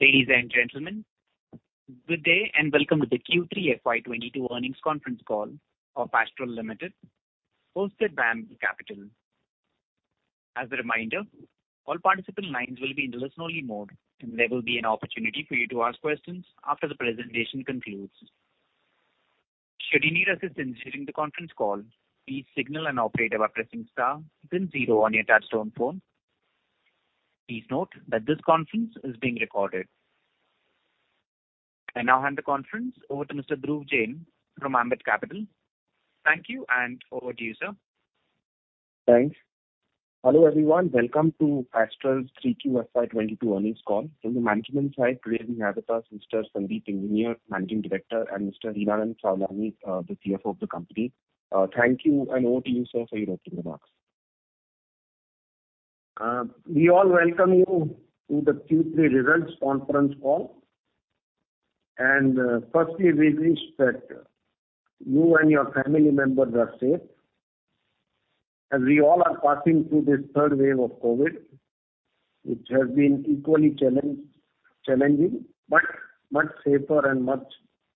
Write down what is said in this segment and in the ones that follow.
Ladies and gentlemen, good day, and welcome to the Q3 FY22 earnings conference call of Astral Limited, hosted by Ambit Capital. As a reminder, all participant lines will be in listen-only mode, and there will be an opportunity for you to ask questions after the presentation concludes. Should you need assistance during the conference call, please signal an operator by pressing star then zero on your touch-tone phone. Please note that this conference is being recorded. I now hand the conference over to Mr. Dhruv Jain from Ambit Capital. Thank you and over to you, sir. Thanks. Hello, everyone. Welcome to Astral's 3Q FY 2022 earnings call. From the management side today we have with us Mr. Sandeep Engineer, Managing Director, and Mr. Hiranand Savlani, the CFO of the company. Thank you and over to you, sir, for your opening remarks. We all welcome you to the Q3 results conference call. Firstly, we wish that you and your family members are safe. As we all are passing through this third wave of COVID, which has been equally challenging, but much safer and much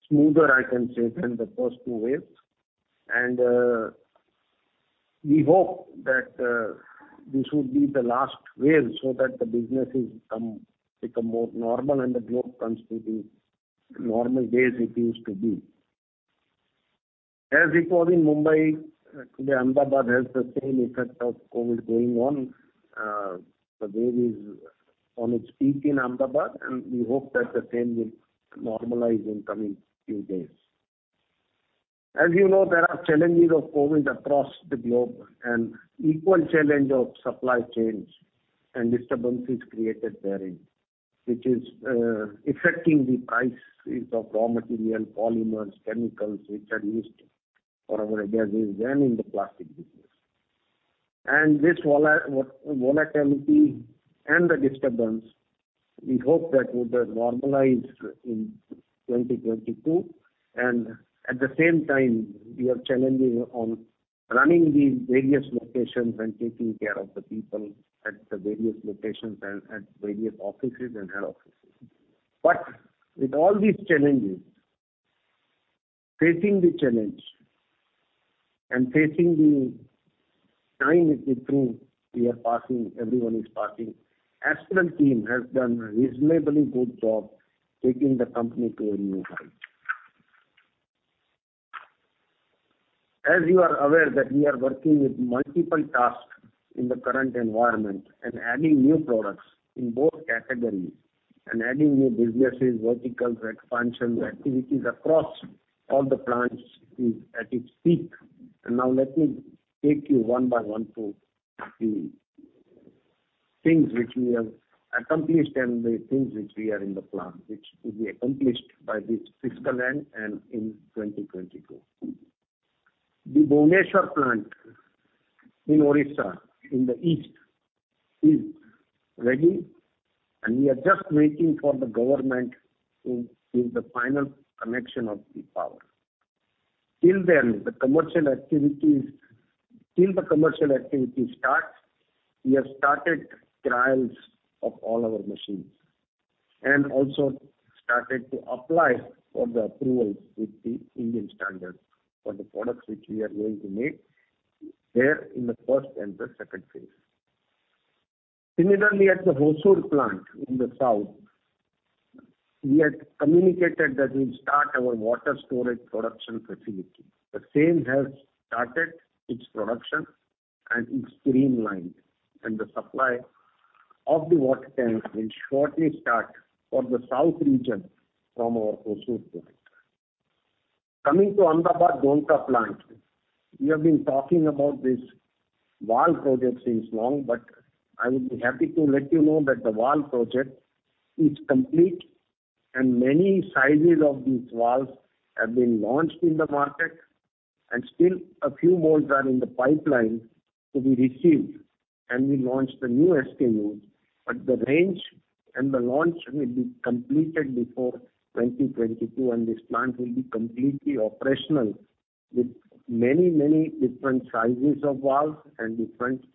smoother, I can say, than the first two waves. We hope that this will be the last wave so that the businesses become more normal and the globe comes to the normal days it used to be. As it was in Mumbai, today Ahmedabad has the same effect of COVID going on. The wave is on its peak in Ahmedabad, and we hope that the same will normalize in coming few days. As you know, there are challenges of COVID across the globe and equal challenge of supply chains and disturbances created therein. Which is affecting the prices of raw material, polymers, chemicals, which are used for our adhesives and in the plastic business. This volatility and the disturbance, we hope that would normalize in 2022. At the same time, we are challenged on running these various locations and taking care of the people at the various locations and at various offices and head offices. With all these challenges, facing the challenge and facing the time which we are going through, everyone is passing, Astral team has done a reasonably good job taking the company to a new height. As you are aware that we are working with multiple tasks in the current environment and adding new products in both categories and adding new businesses, verticals, expansions, activities across all the plants is at its peak. Now let me take you one by one through the things which we have accomplished and the things which we are in the plan, which to be accomplished by this fiscal end and in 2022. The Bhubaneswar plant in Orissa in the east is ready, and we are just waiting for the government to give the final connection of the power. Till then, till the commercial activity starts, we have started trials of all our machines and also started to apply for the approvals with the Indian standards for the products which we are going to make there in the first and the second phase. Similarly, at the Hosur plant in the south, we had communicated that we'll start our water storage production facility. The same has started its production and it's streamlined, and the supply of the water tanks will shortly start for the south region from our Hosur plant. Coming to the Ahmedabad Ghiloth plant. We have been talking about this valve project since long, but I would be happy to let you know that the valve project is complete and many sizes of these valves have been launched in the market and still a few more are in the pipeline to be received and we launch the new SKUs. The range and the launch will be completed before 2022, and this plant will be completely operational with many, many different sizes of valves and different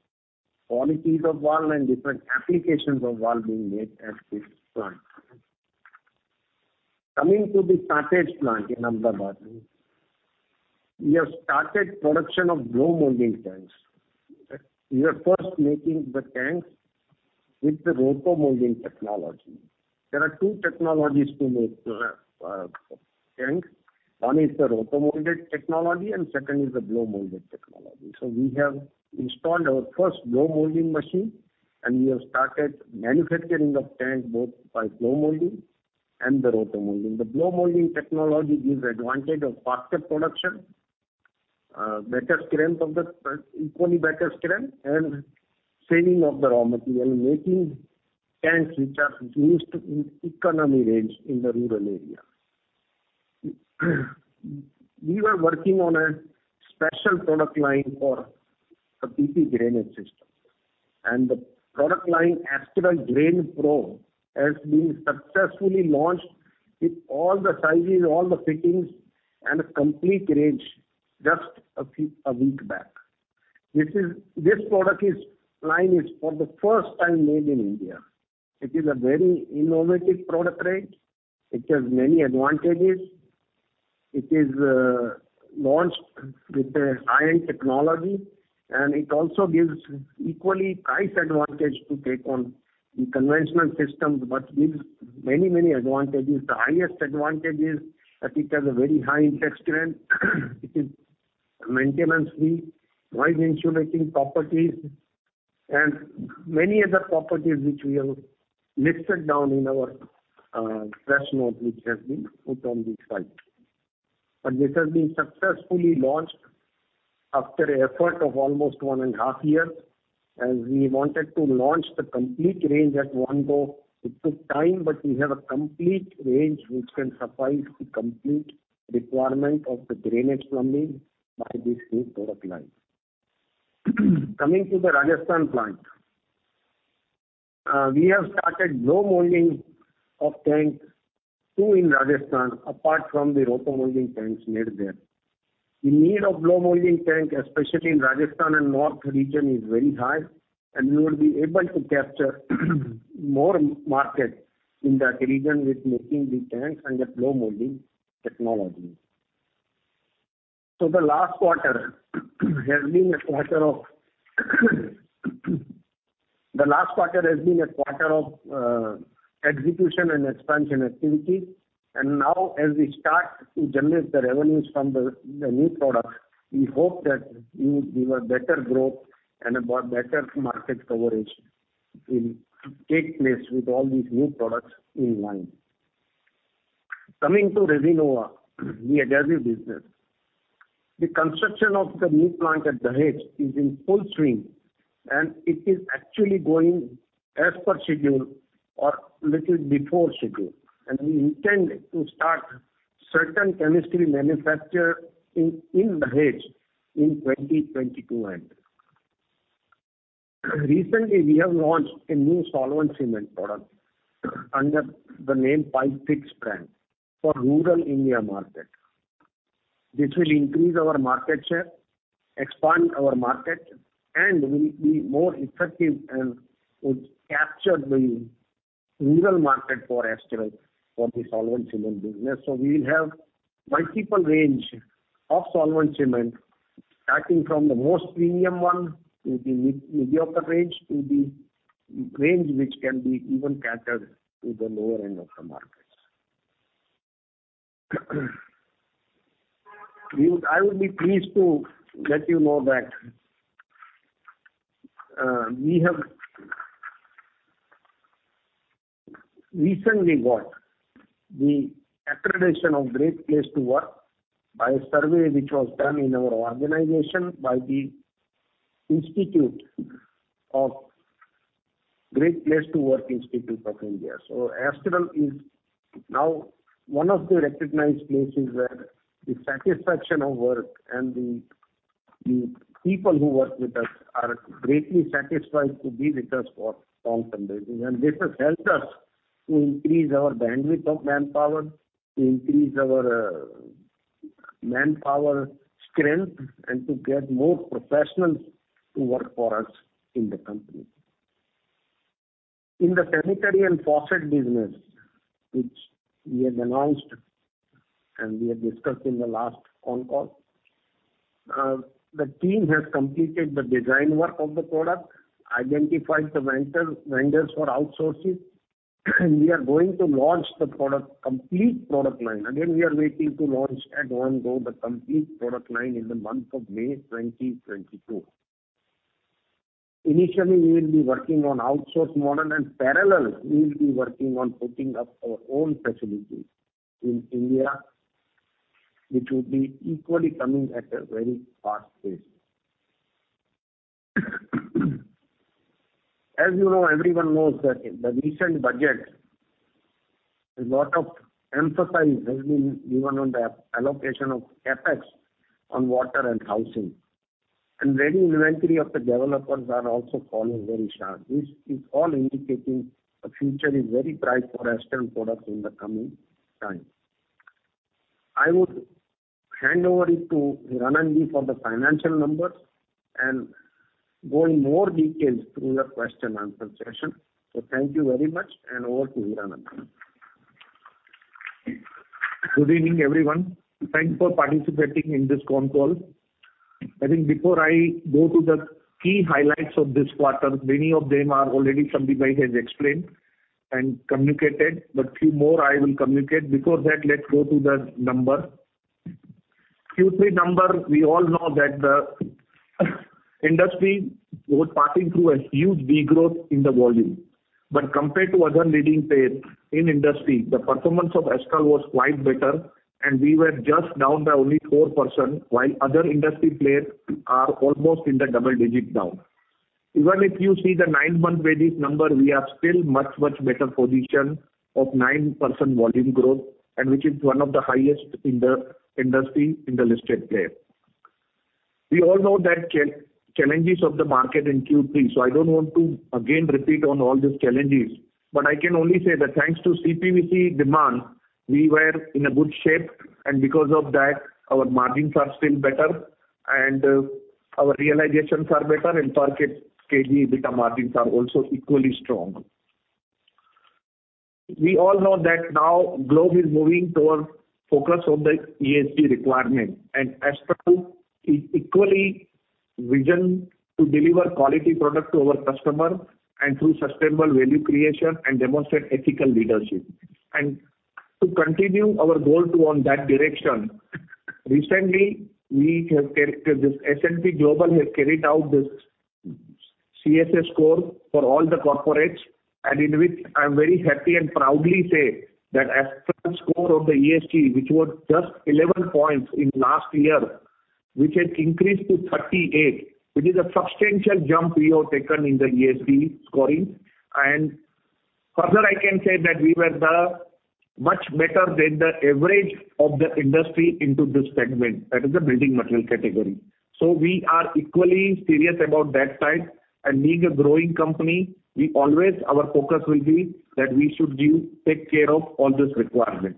qualities of valve and different applications of valve being made at this plant. Coming to the Santej plant in Ahmedabad. We have started production of blow molding tanks. We are first making the tanks with the roto-molding technology. There are two technologies to make tanks. One is the roto-molded technology and second is the blow molded technology. We have installed our first blow molding machine and we have started manufacturing of tanks both by blow molding and the roto-molding. The blow molding technology gives advantage of faster production, better strength, equally better strength and saving of the raw material, making tanks which are used in economy range in the rural area. We were working on a special product line for the PP drainage system. The product line, Astral DrainPro, has been successfully launched with all the sizes, all the fittings and a complete range just a week back. The product line is for the first time made in India. It is a very innovative product range. It has many advantages. It is launched with a high-end technology, and it also gives equal price advantage to take on the conventional systems, but gives many, many advantages. The highest advantage is that it has a very high resistance, it is maintenance-free, wide insulating properties, and many other properties which we have listed down in our press note which has been put on the site. This has been successfully launched after effort of almost one and a half years. As we wanted to launch the complete range at one go, it took time, but we have a complete range which can suffice the complete requirement of the drainage plumbing by this new product line. Coming to the Rajasthan plant, we have started blow molding of tanks too in Rajasthan, apart from the roto-molding tanks made there. The need of blow molding tank, especially in Rajasthan and north region, is very high, and we will be able to capture more market in that region with making the tanks under blow molding technology. The last quarter has been a quarter of execution and expansion activity. Now as we start to generate the revenues from the new product, we hope that we will give a better growth and a better market coverage will take place with all these new products in line. Coming to Resinova, the adhesive business. The construction of the new plant at Dahej is in full swing, and it is actually going as per schedule or little before schedule. We intend to start certain chemistry manufacture in Dahej in 2022 end. Recently, we have launched a new solvent cement product under the name Pipe Fix brand for rural India market. This will increase our market share, expand our market, and will be more effective and would capture the rural market for Astral for the solvent cement business. We will have multiple range of solvent cement starting from the most premium one to the mediocre range to the range which can be even catered to the lower end of the markets. I would be pleased to let you know that we have recently got the accreditation of Great Place to Work by a survey which was done in our organization by the Great Place to Work Institute of India. Astral is now one of the recognized places where the satisfaction of work and the people who work with us are greatly satisfied to be with us for long-term basis. This has helped us to increase our bandwidth of manpower, to increase our manpower strength, and to get more professionals to work for us in the company. In the sanitary and faucet business, which we have announced and we have discussed in the last con call, the team has completed the design work of the product, identified the vendors for outsourcing. We are going to launch the product, complete product line. Then we are waiting to launch at one go the complete product line in the month of May 2022. Initially, we will be working on outsourcing model, and in parallel, we will be working on putting up our own facilities in India, which will be equally coming at a very fast pace. As you know, everyone knows that in the recent budget, a lot of emphasis has been given on the allocation of CapEx on water and housing. Inventory of the developers is also falling very sharply. This is all indicating the future is very bright for Astral products in the coming time. I would hand it over to Hiranand Savlani for the financial numbers and go into more details through the question and answer session. Thank you very much, and over to Hiranand Savlani. Good evening, everyone. Thanks for participating in this con call. I think before I go to the key highlights of this quarter, many of them are already Sandeep bhai has explained and communicated, but few more I will communicate. Before that, let's go to the number. Q3 number, we all know that the industry was passing through a huge degrowth in the volume. Compared to other leading players in industry, the performance of Astral was quite better, and we were just down by only 4%, while other industry players are almost in the double-digit down. Even if you see the nine-month weighted number, we are still much, much better position of 9% volume growth, and which is one of the highest in the industry in the listed player. We all know the challenges of the market in Q3, so I don't want to again repeat on all these challenges. I can only say that thanks to CPVC demand. We were in a good shape, and because of that, our margins are still better, and our realizations are better, and per KG EBITDA margins are also equally strong. We all know that now globe is moving towards focus on the ESG requirement, and Astral is equally visioned to deliver quality product to our customer and through sustainable value creation and demonstrate ethical leadership. To continue our goal to on that direction, recently S&P Global has carried out this CSA score for all the corporates, and in which I'm very happy and proudly say that Astral score on the ESG, which was just 11 points in last year, which has increased to 38. It is a substantial jump we have taken in the ESG scoring. Further, I can say that we were much better than the average of the industry in this segment. That is the building material category. We are equally serious about that side. Being a growing company, we always our focus will be that we should take care of all this requirement.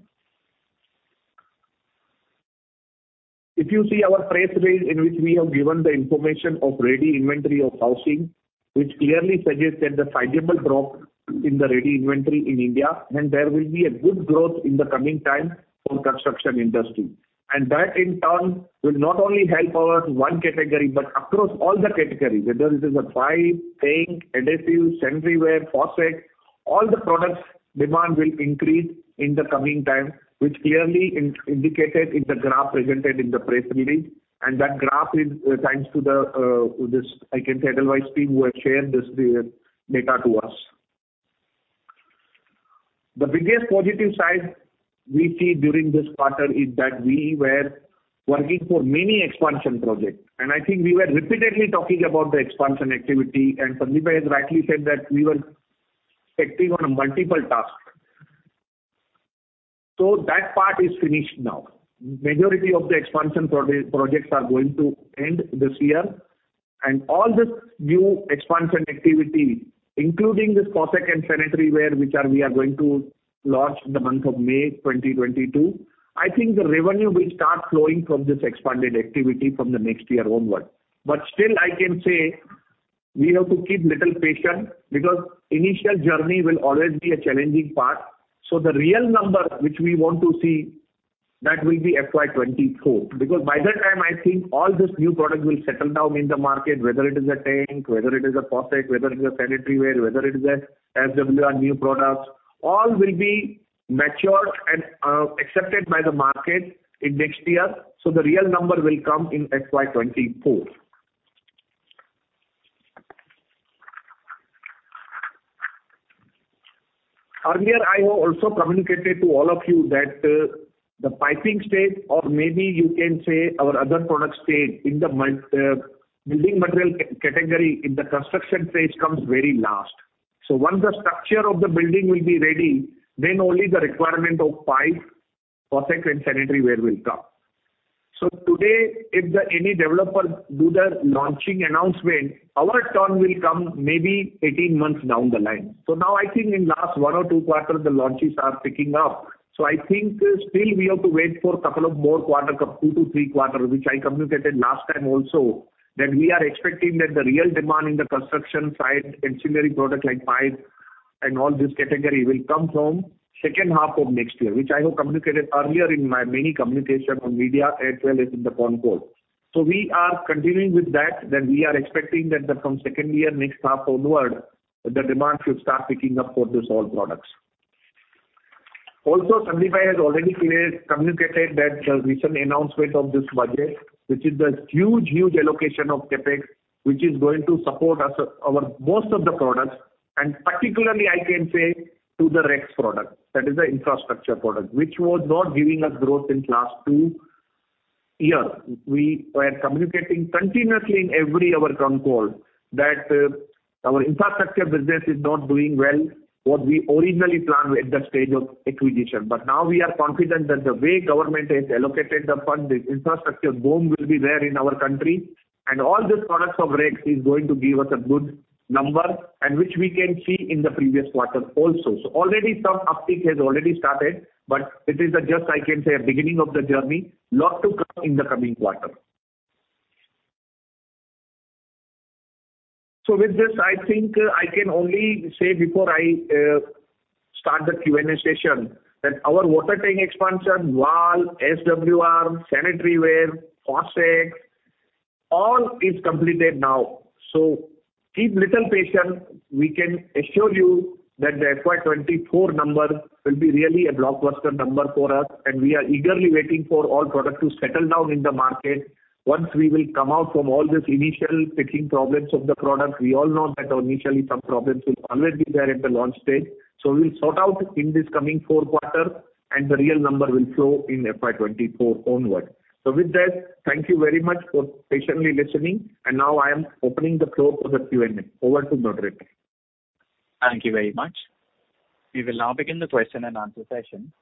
If you see our press release in which we have given the information of ready inventory of housing, which clearly suggests that the sizable drop in the ready inventory in India, and there will be a good growth in the coming time for construction industry. That in turn will not only help our own category but across all the categories, whether it is a pipe, tank, adhesives, sanitary ware, faucet, all the products demand will increase in the coming time, which clearly indicated in the graph presented in the press release. That graph is thanks to the operations team who have shared this data with us. The biggest positive side we see during this quarter is that we were working for many expansion projects, and I think we were repeatedly talking about the expansion activity. Sandeep has rightly said that we were active on a multiple task. That part is finished now. Majority of the expansion projects are going to end this year. All this new expansion activity, including this faucet and sanitary ware, which we are going to launch the month of May 2022, I think the revenue will start flowing from this expanded activity from the next year onward. Still, I can say we have to keep a little patience because initial journey will always be a challenging part. The real number which we want to see, that will be FY 2024, because by that time, I think all this new product will settle down in the market, whether it is a tank, whether it is a faucet, whether it is a sanitary ware, whether it is a SWR new products, all will be matured and accepted by the market in next year. The real number will come in FY 2024. Earlier, I have also communicated to all of you that the piping stage, or maybe you can say our other product stage in the building material category in the construction phase comes very last. Once the structure of the building will be ready, then only the requirement of pipe, faucet, and sanitary ware will come. Today, if any developer does the launching announcement, our turn will come maybe 18 months down the line. Now I think in last one or two quarters, the launches are picking up. I think still we have to wait for couple of more quarters, two to three quarters, which I communicated last time also, that we are expecting that the real demand in the construction side, ancillary products like pipes and all this category will come from second half of next year, which I have communicated earlier in my many communications on media as well as in the con call. We are continuing with that we are expecting that from second half next year onward, the demand should start picking up for all these products. Sandeep has already clearly communicated that the recent announcement of this budget, which is the huge allocation of CapEx, which is going to support our most of the products, and particularly I can say to the Rex product, that is the infrastructure product, which was not giving us growth in last two year. We were communicating continuously in every our con call that our infrastructure business is not doing well, what we originally planned at the stage of acquisition. Now we are confident that the way government has allocated the fund, the infrastructure boom will be there in our country. All this products of Rex is going to give us a good number, and which we can see in the previous quarter also. Already some uptick has already started, but it is just, I can say, a beginning of the journey. lot to come in the coming quarter. With this, I think I can only say before I start the Q&A session that our water tank expansion, valve, SWR, sanitary ware, faucet, all is completed now. Keep little patient. We can assure you that the FY 2024 number will be really a blockbuster number for us, and we are eagerly waiting for all product to settle down in the market. Once we will come out from all this initial fixing problems of the product, we all know that initially some problems will always be there at the launch stage. We'll sort out in this coming four quarter, and the real number will flow in FY 2024 onward. With that, thank you very much for patiently listening. Now I am opening the floor for the Q&A. Over to moderator. Thank you very much. We will now begin the question and answer session.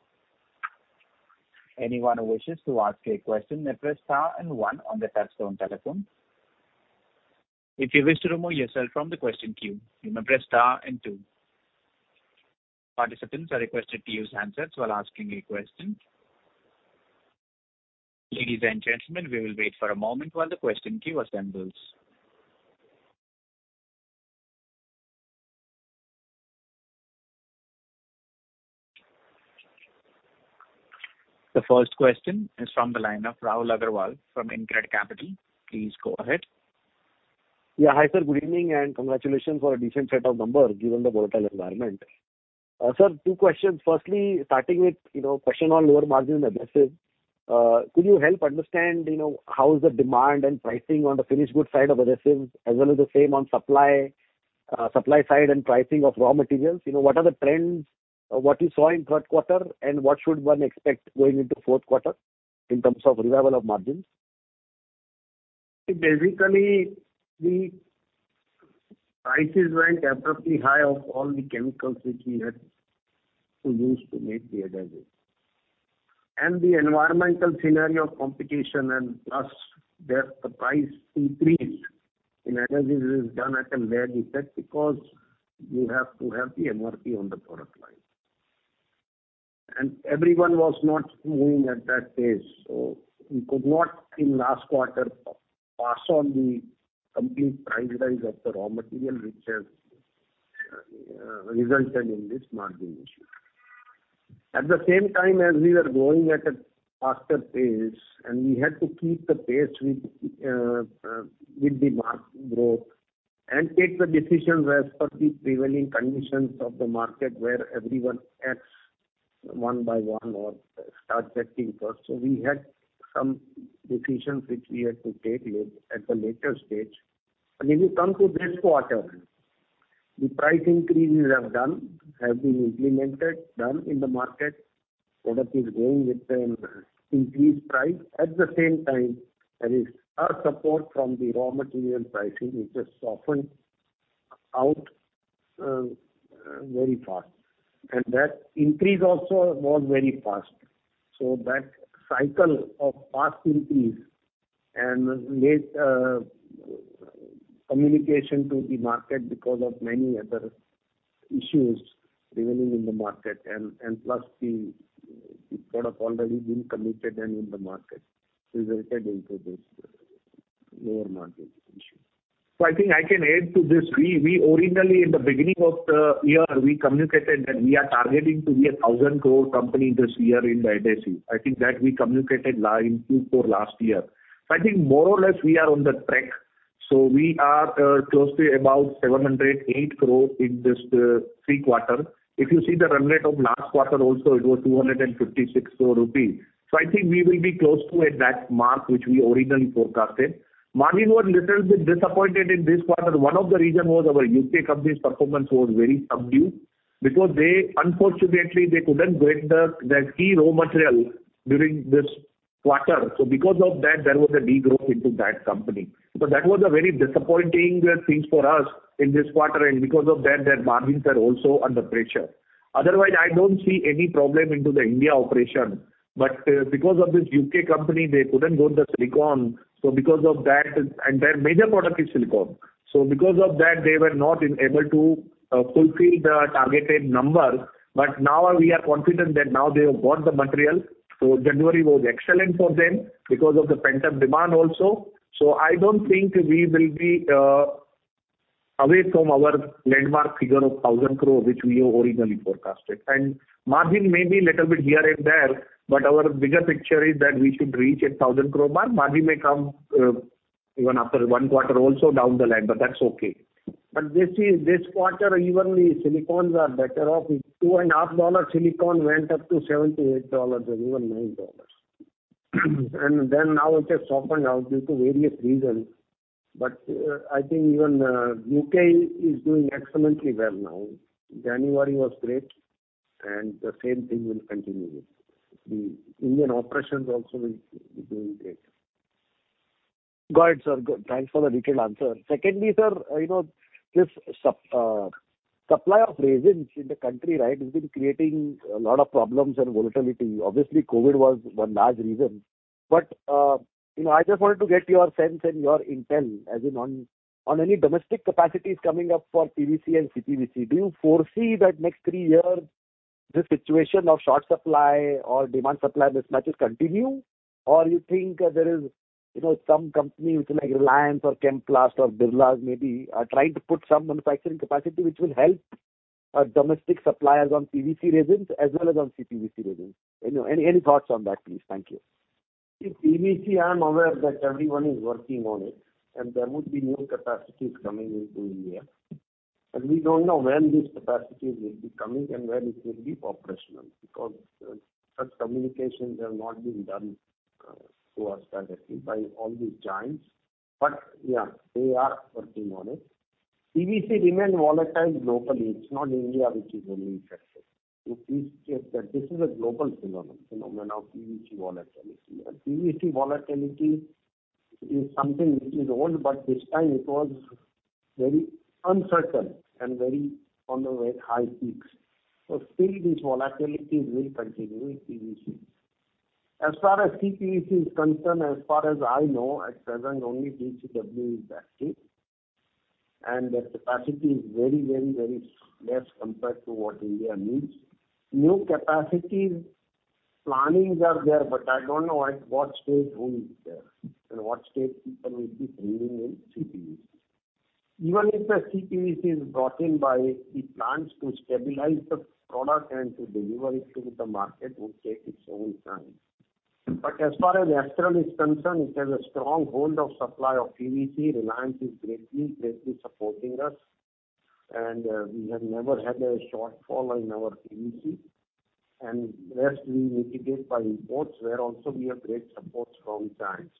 The first question is from the line of Rahul Agarwal from InCred Capital. Please go ahead. Yeah. Hi, sir. Good evening, and congratulations for a decent set of numbers given the volatile environment. Sir, two questions. Firstly, starting with, you know, question on lower margin adhesives. Could you help understand, you know, how is the demand and pricing on the finished goods side of adhesives as well as the same on supply side and pricing of raw materials? You know, what are the trends, what you saw in third quarter and what should one expect going into Q4 in terms of revival of margins? Basically, the prices went abruptly high of all the chemicals which we had to use to make the adhesive. The environmental scenario, competition, and plus that the price increase in adhesives is done at a lag effect because you have to have the MRP on the product line. Everyone was not moving at that pace, so we could not in last quarter pass on the complete price rise of the raw material, which has resulted in this margin issue. At the same time, as we were growing at a faster pace and we had to keep the pace with the market growth and take the decisions as per the prevailing conditions of the market where everyone acts one by one or starts acting first. We had some decisions which we had to take late, at a later stage. If you come to this quarter, the price increases we have done have been implemented, done in the market. Product is going with an increased price. At the same time, there is support from the raw material pricing, which has softened out very fast. That increase also was very fast. That cycle of fast increase and late communication to the market because of many other issues prevailing in the market and plus the product already been committed and in the market resulted into this lower margin issue. I think I can add to this. We originally in the beginning of the year, we communicated that we are targeting to be an 1,000 crore company this year in the adhesive. I think that we communicated in Q4 last year. I think more or less we are on that track. We are close to about 708 crore in this three quarter. If you see the run rate of last quarter also it was 256 crore rupee. I think we will be close to at that mark, which we originally forecasted. Margins were a little bit disappointed in this quarter. One of the reasons was our U.K. company's performance was very subdued because they unfortunately couldn't get the key raw material during this quarter. Because of that, there was a degrowth into that company. That was a very disappointing thing for us in this quarter. Because of that, their margins are also under pressure. Otherwise, I don't see any problem into the Indian operation. Because of this U.K. company, they couldn't get the silicone. Because of that and their major product is silicone. Because of that, they were not able to fulfill the targeted numbers. Now we are confident that now they have got the material. January was excellent for them because of the pent-up demand also. I don't think we will be away from our landmark figure of 1,000 crore, which we originally forecasted. Margin may be little bit here and there, but our bigger picture is that we should reach a 1,000 crore mark. Margin may come even after one quarter also down the line, but that's okay. This year, this quarter, even the silicones are better off. $2.5 silicone went up to $7-$8 and even $9. Then now it has softened out due to various reasons. I think even U.K. is doing excellently well now. January was great and the same thing will continue. The Indian operations also will be doing great. Got it, sir. Thanks for the detailed answer. Secondly, sir, you know, this supply of resins in the country, right, has been creating a lot of problems and volatility. Obviously, COVID was one large reason. I just wanted to get your sense and your intel on any domestic capacities coming up for PVC and CPVC. Do you foresee that next three years this situation of short supply or demand supply mismatches continue, or you think there is, you know, some company which like Reliance or Chemplast or Birlas maybe are trying to put some manufacturing capacity which will help domestic suppliers on PVC resins as well as on CPVC resins? Any thoughts on that, please? Thank you. See, PVC, I'm aware that everyone is working on it, and there would be new capacities coming into India, but we don't know when these capacities will be coming and when it will be operational because such communications have not been done to us directly by all the giants. Yeah, they are working on it. PVC remain volatile globally. It's not India which is only affected. You please check that this is a global phenomenon of PVC volatility. PVC volatility is something which is old, but this time it was very uncertain and very on the very high peaks. Still these volatilities will continue in PVC. As far as CPVC is concerned, as far as I know, at present only DCW is active, and the capacity is very, very, very less compared to what India needs. New capacities plannings are there, but I don't know at what stage who is there and what stage people will be bringing in CPVC. Even if the CPVC is brought in by the plants to stabilize the product and to deliver it to the market will take its own time. As far as Astral is concerned, it has a strong hold of supply of PVC. Reliance is greatly supporting us, and we have never had a shortfall in our PVC. Rest we mitigate by imports, where also we have great support from clients.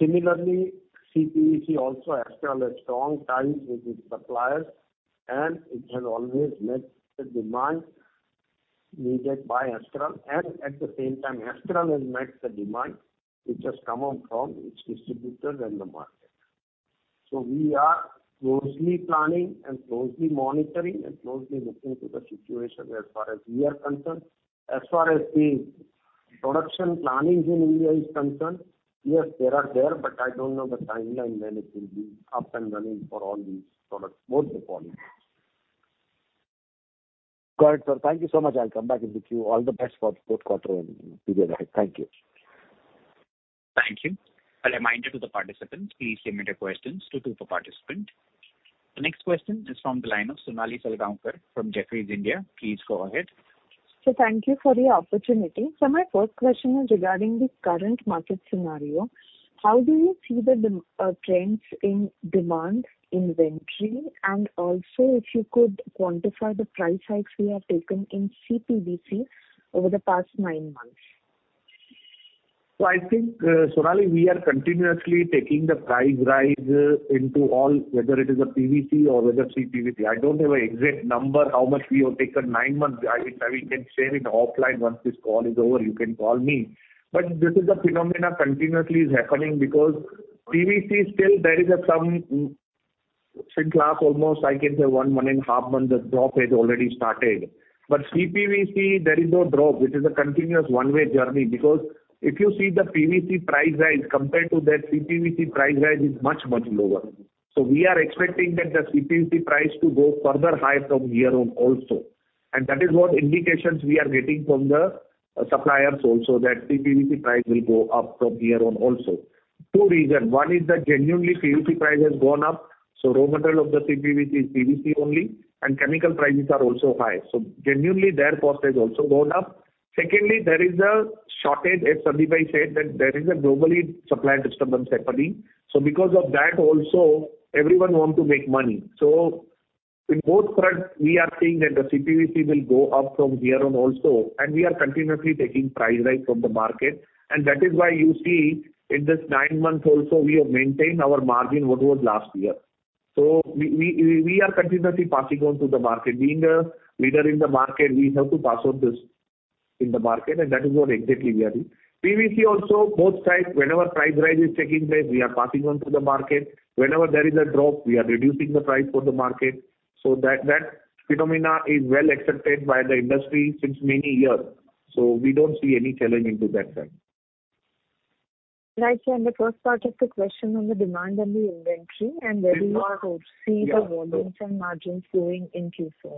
Similarly, CPVC also, Astral has strong ties with its suppliers, and it has always met the demand needed by Astral. At the same time, Astral has met the demand which has come up from its distributors and the market. We are closely planning and closely monitoring and closely looking to the situation as far as we are concerned. As far as the production plannings in India is concerned, yes, there are, but I don't know the timeline when it will be up and running for all these products, both the volumes. Got it, sir. Thank you so much. I'll come back in the queue. All the best for the Q4 and period ahead. Thank you. Thank you. A reminder to the participants, please limit your questions to two per participant. The next question is from the line of Sonali Salgaonkar from Jefferies India. Please go ahead. Sir, thank you for the opportunity. My first question is regarding the current market scenario. How do you see the trends in demand inventory? And also if you could quantify the price hikes you have taken in CPVC over the past nine months? I think, Sonali, we are continuously taking the price rise into all, whether it is a PVC or whether CPVC. I don't have an exact number how much we have taken nine months. We can share it offline. Once this call is over, you can call me. This is a phenomenon continuously happening because PVC still there is some. Since last almost I can say one and a half months, the drop has already started. CPVC, there is no drop. It is a continuous one-way journey. If you see the PVC price rise compared to that CPVC price rise is much, much lower. We are expecting that the CPVC price to go further high from here on also. That is what indications we are getting from the suppliers also, that CPVC price will go up from here on also. Two reasons. One is that genuinely PVC price has gone up, so raw material of the CPVC is PVC only, and chemical prices are also high. Genuinely their cost has also gone up. Secondly, there is a shortage, as Sandeep said, that there is a globally supply disturbance happening. Because of that also everyone want to make money. In both front, we are seeing that the CPVC will go up from here on also, and we are continuously taking price rise from the market. That is why you see in this nine months also we have maintained our margin what was last year. We are continuously passing on to the market. Being a leader in the market, we have to pass on this in the market, and that is what exactly we are doing. PVC also both sides, whenever price rise is taking place, we are passing on to the market. Whenever there is a drop, we are reducing the price for the market. That that phenomenon is well accepted by the industry since many years. We don't see any challenge in that sense. Right. Sir, in the first part of the question on the demand and the inventory, and where do you hope to see the volumes and margins growing in Q4?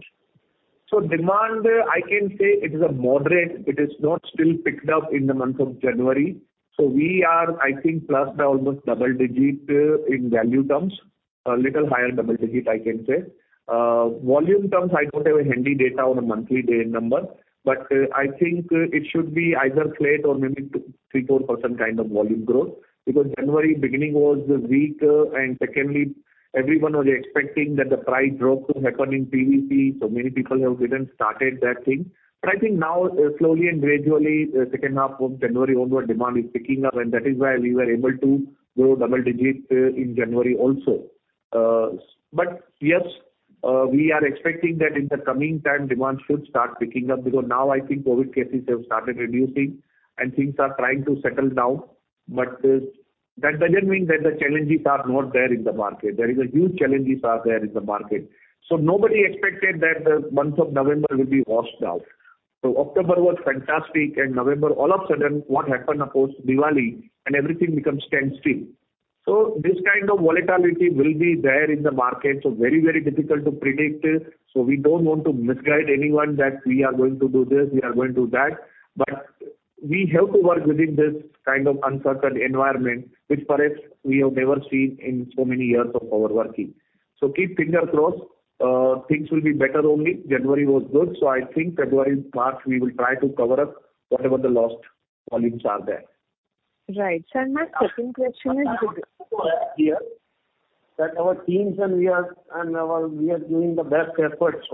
Demand, I can say, is moderate. It is not yet picked up in the month of January. We are, I think, plus almost double-digit in value terms, a little higher double-digit, I can say. In volume terms, I don't have handy data on a month-to-date number, but I think it should be either flat or maybe 2, 3, 4% kind of volume growth. January beginning was weak. Secondly, everyone was expecting that the price drop to happen in PVC, so many people didn't start that thing. I think now slowly and gradually, second half of January onward, demand is picking up, and that is why we were able to grow double-digit in January also. Yes, we are expecting that in the coming time, demand should start picking up because now I think COVID cases have started reducing and things are trying to settle down. That doesn't mean that the challenges are not there in the market. There is a huge challenges are there in the market. Nobody expected that the month of November will be washed out. October was fantastic and November all of a sudden what happened, of course, Diwali and everything becomes standstill. This kind of volatility will be there in the market. Very, very difficult to predict. We don't want to misguide anyone that we are going to do this, we are going to do that. We have to work within this kind of uncertain environment, which perhaps we have never seen in so many years of our working. Keep fingers crossed. Things will be better only. January was good, so I think February part we will try to cover up whatever the lost volumes are there. Right. Sir, my second question is. I can also add here that our teams and we are doing the best efforts.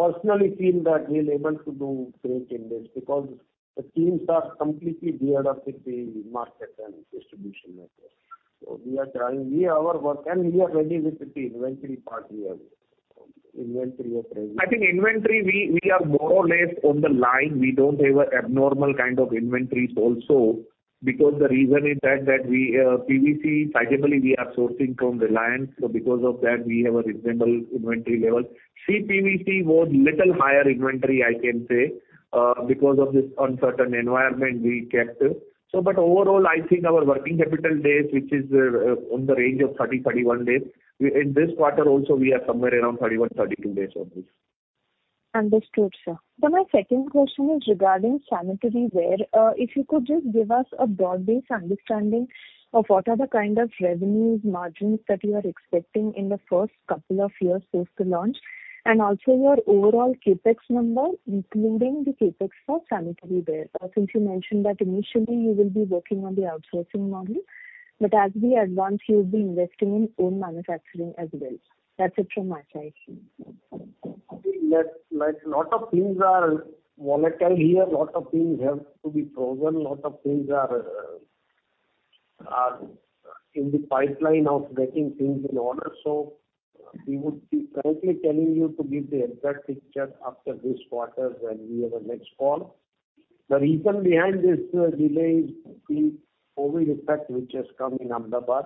I personally feel that we're able to do great in this because the teams are completely geared up with the market and distribution network. We are trying. We are our work and we are ready with the inventory part we have. Inventory at present. I think inventory, we are more or less on the line. We don't have an abnormal kind of inventories also, because the reason is that we, PVC, sizably we are sourcing from Reliance, so because of that, we have a reasonable inventory level. CPVC, a little higher inventory, I can say, because of this uncertain environment we kept. Overall, I think our working capital days, which is on the range of 30-31 days. In this quarter also, we are somewhere around 31-32 days only. Understood, sir. My second question is regarding sanitary ware. If you could just give us a broad-based understanding of what are the kind of revenues, margins that you are expecting in the first couple of years post the launch, and also your overall CapEx number, including the CapEx for sanitary ware. Since you mentioned that initially you will be working on the outsourcing model, but as we advance you'll be investing in own manufacturing as well. That's it from my side. I think that, like, lot of things are volatile here, lot of things have to be proven, lot of things are in the pipeline of getting things in order. We would be correctly telling you to give the exact picture after this quarter when we have our next call. The reason behind this delay is the COVID effect which has come in Ahmedabad.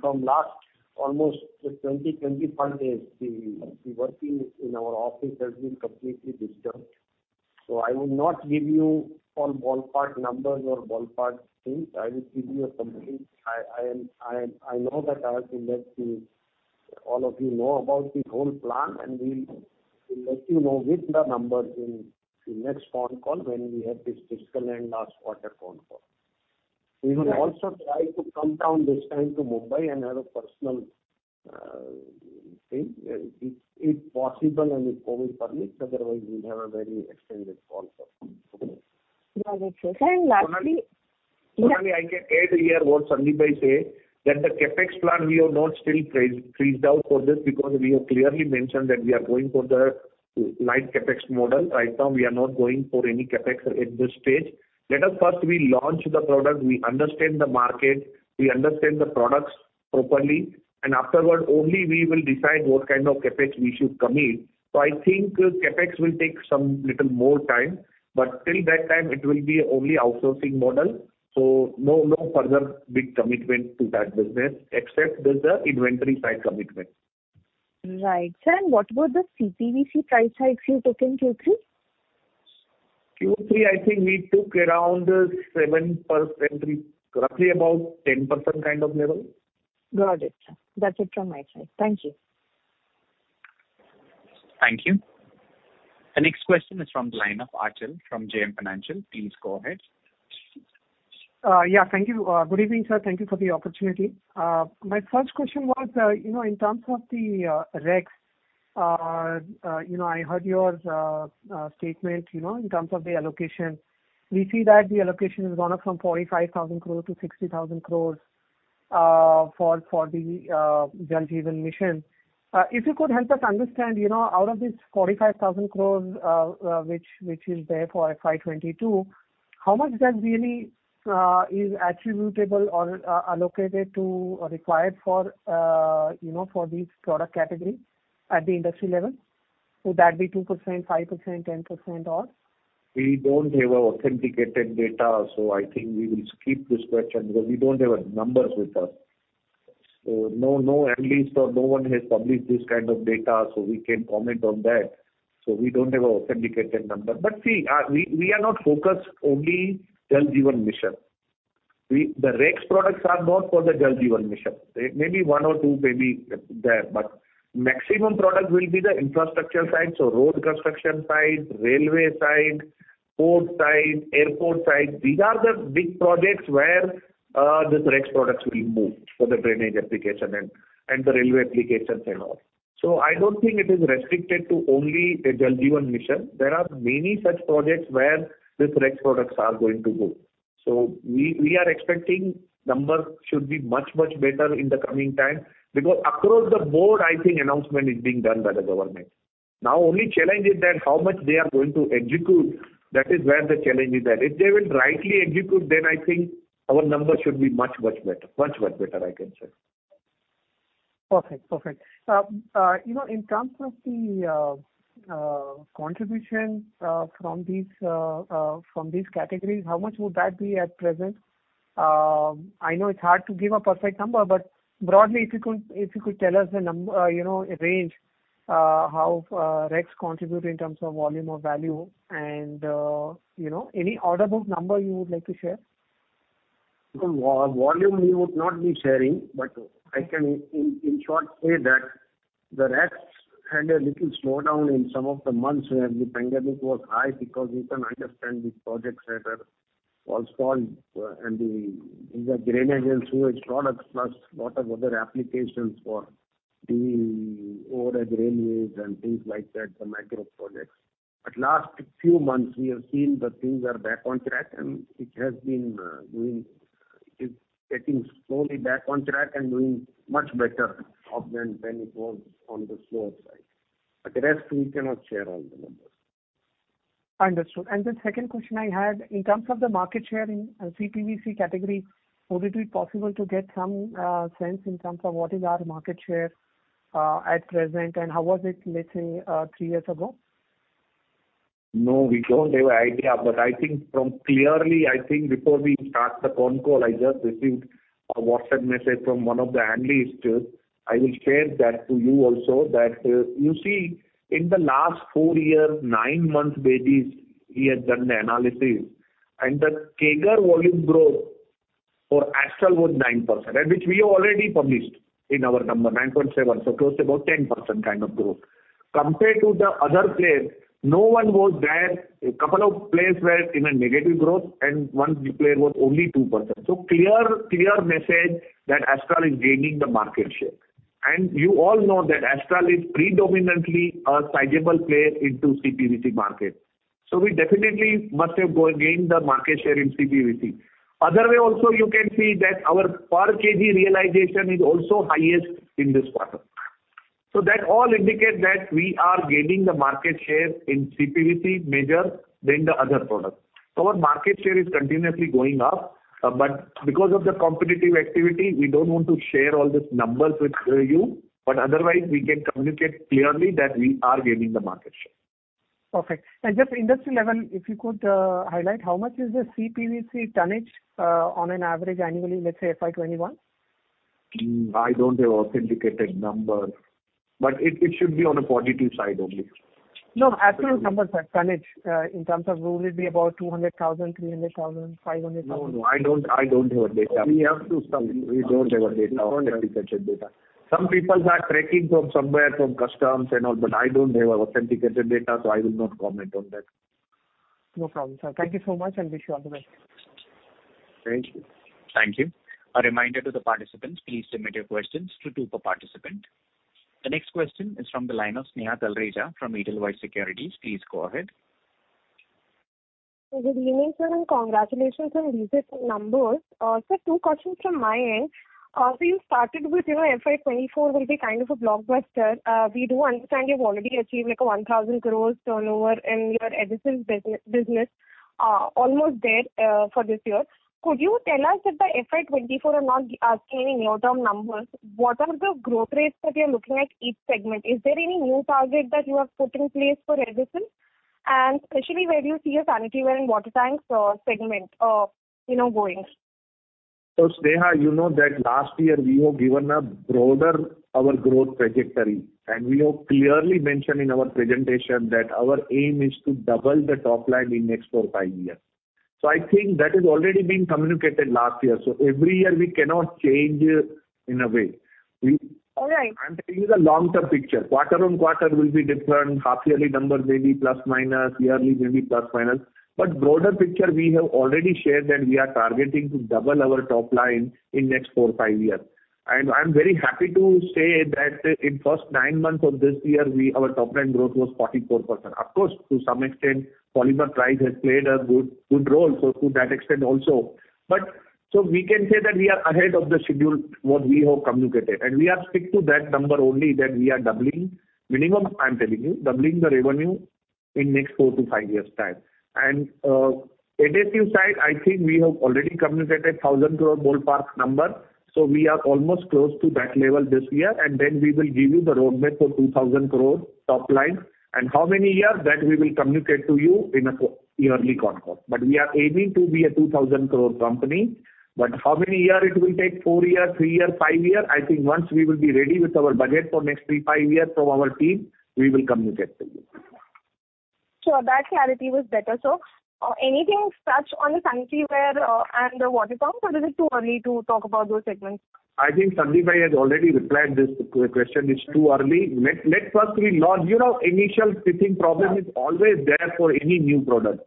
From last almost 25 days, the working in our office has been completely disturbed. I will not give you all ballpark numbers or ballpark things. I will give you a complete. I know that I have to let you, all of you know about the whole plan, and we'll let you know with the numbers in the next phone call when we have this fiscal and last quarter phone call. We will also try to come down this time to Mumbai and have a personal thing, if possible and if COVID permits, otherwise we'll have a very extended call for it. Got it, sir. Lastly. Sonali, I can add here what Sandeep Engineer say, that the CapEx plan we have not still frozen out for this because we have clearly mentioned that we are going for the light CapEx model. Right now we are not going for any CapEx at this stage. Let us first launch the product, we understand the market, we understand the products properly, and afterward only we will decide what kind of CapEx we should commit. I think CapEx will take some little more time, but till that time it will be only outsourcing model, no further big commitment to that business, except there's the inventory side commitment. Right. Sir, and what about the CPVC price hikes you took in Q3? Q3, I think we took around 7%, roughly about 10% kind of level. Got it, sir. That's it from my side. Thank you. Thank you. The next question is from the line of Achal from JM Financial. Please go ahead. Yeah. Thank you. Good evening, sir. Thank you for the opportunity. My first question was, you know, in terms of the RECs, you know, I heard your statement, you know, in terms of the allocation. We see that the allocation has gone up from 45,000 crores to 60,000 crores for the Jal Jeevan Mission. If you could help us understand, you know, out of this 45,000 crores, which is there for FY 2022, how much that really is attributable or allocated to or required for, you know, for these product category at the industry level? Would that be 2%, 5%, 10% or? We don't have an authenticated data, so I think we will skip this question because we don't have numbers with us. No analyst or no one has published this kind of data, so we can comment on that. We don't have an authenticated number. See, we are not focused only on the Jal Jeevan Mission. The Rex products are not for the Jal Jeevan Mission. There may be one or two there, but maximum product will be the infrastructure side, so road construction side, railway side, port side, airport side. These are the big projects where these Rex products will move for the drainage application and the railway applications and all. I don't think it is restricted to only the Jal Jeevan Mission. There are many such projects where these Rex products are going to go. We are expecting numbers should be much better in the coming time because across the board, I think announcement is being done by the government. Now only challenge is that how much they are going to execute. That is where the challenge is at. If they will rightly execute, then I think our numbers should be much better, I can say. Perfect. You know, in terms of the contribution from these categories, how much would that be at present? I know it's hard to give a perfect number, but broadly if you could tell us a range, you know, how Rex contributes in terms of volume or value and, you know, any order book number you would like to share? The volume we would not be sharing, but I can in short say that the Rex had a little slowdown in some of the months where the pandemic was high because you can understand the projects that are paused and these are drainage and sewage products, plus lot of other applications for the overhead railways and things like that, the micro projects. Last few months we have seen that things are back on track and it has been getting slowly back on track and doing much better off than when it was on the slower side. The rest we cannot share all the numbers. Understood. The second question I had, in terms of the market share in CPVC category, would it be possible to get some sense in terms of what is our market share, at present, and how was it, let's say, three years ago? No, we don't have idea. I think clearly, I think before we start the concall, I just received a WhatsApp message from one of the analysts. I will share that to you also that, you see, in the last four years, nine months basis, he has done the analysis, and the CAGR volume growth for Astral was 9%, and which we already published in our number, 9.7, so close to about 10% kind of growth. Compared to the other players, no one was there. A couple of players were in a negative growth, and one player was only 2%. Clear message that Astral is gaining the market share. You all know that Astral is predominantly a sizable player into CPVC market. We definitely must have go and gain the market share in CPVC. Other way also you can see that our per kg realization is also highest in this quarter. That all indicate that we are gaining the market share in CPVC more than the other products. Our market share is continuously going up, but because of the competitive activity, we don't want to share all these numbers with you. Otherwise we can communicate clearly that we are gaining the market share. Perfect. Just industry level, if you could, highlight how much is the CPVC tonnage, on an average annually, let's say FY 2021? I don't have authenticated number, but it should be on a positive side only. No, Astral numbers, sir. Tonnage in terms of, would it be about 200,000, 300,000, 500,000? No, I don't have data. We have to stop. We don't have authenticated data. Some people are tracking from somewhere, from customs and all, but I don't have authenticated data, so I will not comment on that. No problem, sir. Thank you so much, and wish you all the best. Thank you. Thank you. A reminder to the participants, please submit your questions to two per participant. The next question is from the line of Sneha Talreja from Edelweiss Securities. Please go ahead. Good evening, sir, and congratulations on recent numbers. Sir, two questions from my end. So you started with, you know, FY 2024 will be kind of a blockbuster. We do understand you've already achieved like 1,000 crore turnover in your adhesives business. Almost there for this year. Could you tell us, for FY 2024 I'm not asking any near-term numbers, what are the growth rates that you're looking at each segment? Is there any new target that you have put in place for adhesives? And especially where do you see your sanitary ware and water tanks segment, you know, going? Sneha, you know that last year we have given a broader our growth trajectory, and we have clearly mentioned in our presentation that our aim is to double the top line in next 4-5 years. I think that has already been communicated last year. Every year we cannot change in a way. All right. I'm telling you the long-term picture. Quarter-on-quarter will be different. Half-yearly numbers may be plus, minus. Yearly may be plus, minus. Broader picture we have already shared that we are targeting to double our top line in next 4-5 years. I'm very happy to say that in first 9 months of this year, we, our top line growth was 44%. Of course, to some extent, polymer price has played a good role, so to that extent also. We can say that we are ahead of the schedule what we have communicated. We are sticking to that number only, that we are doubling, minimum I'm telling you, doubling the revenue in next 4-5 years' time. Adhesives side, I think we have already communicated 1,000 crore ballpark number. We are almost close to that level this year, and then we will give you the roadmap for 2,000 crore top line. How many years, that we will communicate to you in a quarterly concall. We are aiming to be a 2,000 crore company. How many year it will take, four year, three year, five year, I think once we will be ready with our budget for next three, five years from our team, we will communicate to you. Sure. That clarity was better, sir. Anything touched on the sanitary ware, and the water pumps, or is it too early to talk about those segments? I think Sandeep Engineer has already replied this question. It's too early. Let first we launch. You know, initial fitting problem is always there for any new product.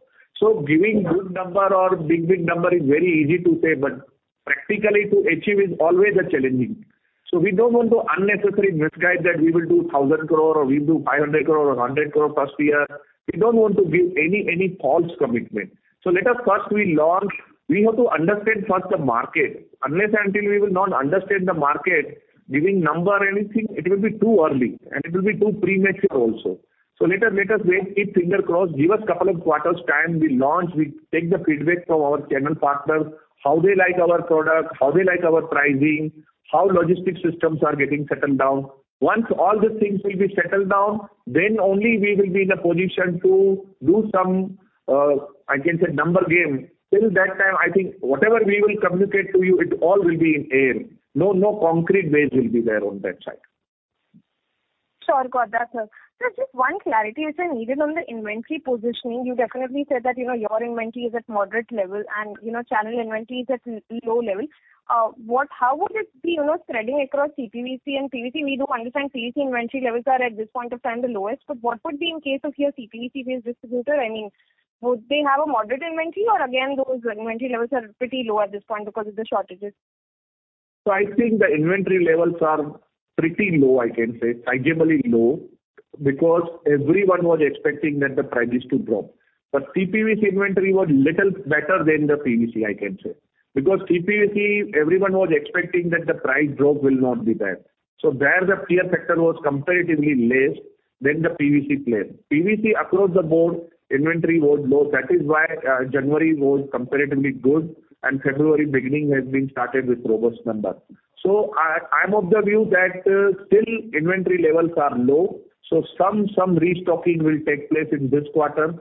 Giving good number or big number is very easy to say, but practically to achieve is always a challenging. We don't want to unnecessarily misguide that we will do 1,000 crore or we'll do 500 crore or 100 crore first year. We don't want to give any false commitment. Let us first we launch. We have to understand first the market. Unless and until we will not understand the market, giving any number, it will be too early, and it will be too premature also. Let us wait, keep fingers crossed. Give us couple of quarters time. We launch, we take the feedback from our channel partners, how they like our product, how they like our pricing, how logistics systems are getting settled down. Once all these things will be settled down, then only we will be in a position to do some, I can say number game. Till that time, I think whatever we will communicate to you, it all will be in air. No, no concrete base will be there on that side. Sure. Got that, sir. Sir, just one clarity, if I may, on the inventory positioning. You definitely said that, you know, your inventory is at moderate level and, you know, channel inventory is at low level. What, how would it be, you know, spreading across CPVC and PVC? We do understand PVC inventory levels are at this point of time the lowest, but what would be in case of your CPVC-based distributor? I mean, would they have a moderate inventory or again those inventory levels are pretty low at this point because of the shortages? I think the inventory levels are pretty low, I can say, sizably low, because everyone was expecting that the price is to drop. CPVC inventory was little better than the PVC, I can say. Because CPVC, everyone was expecting that the price drop will not be there. There the fear factor was comparatively less than the PVC player. PVC across the board, inventory was low. That is why, January was comparatively good, and February beginning has been started with robust number. I'm of the view that still inventory levels are low, so some restocking will take place in this quarter.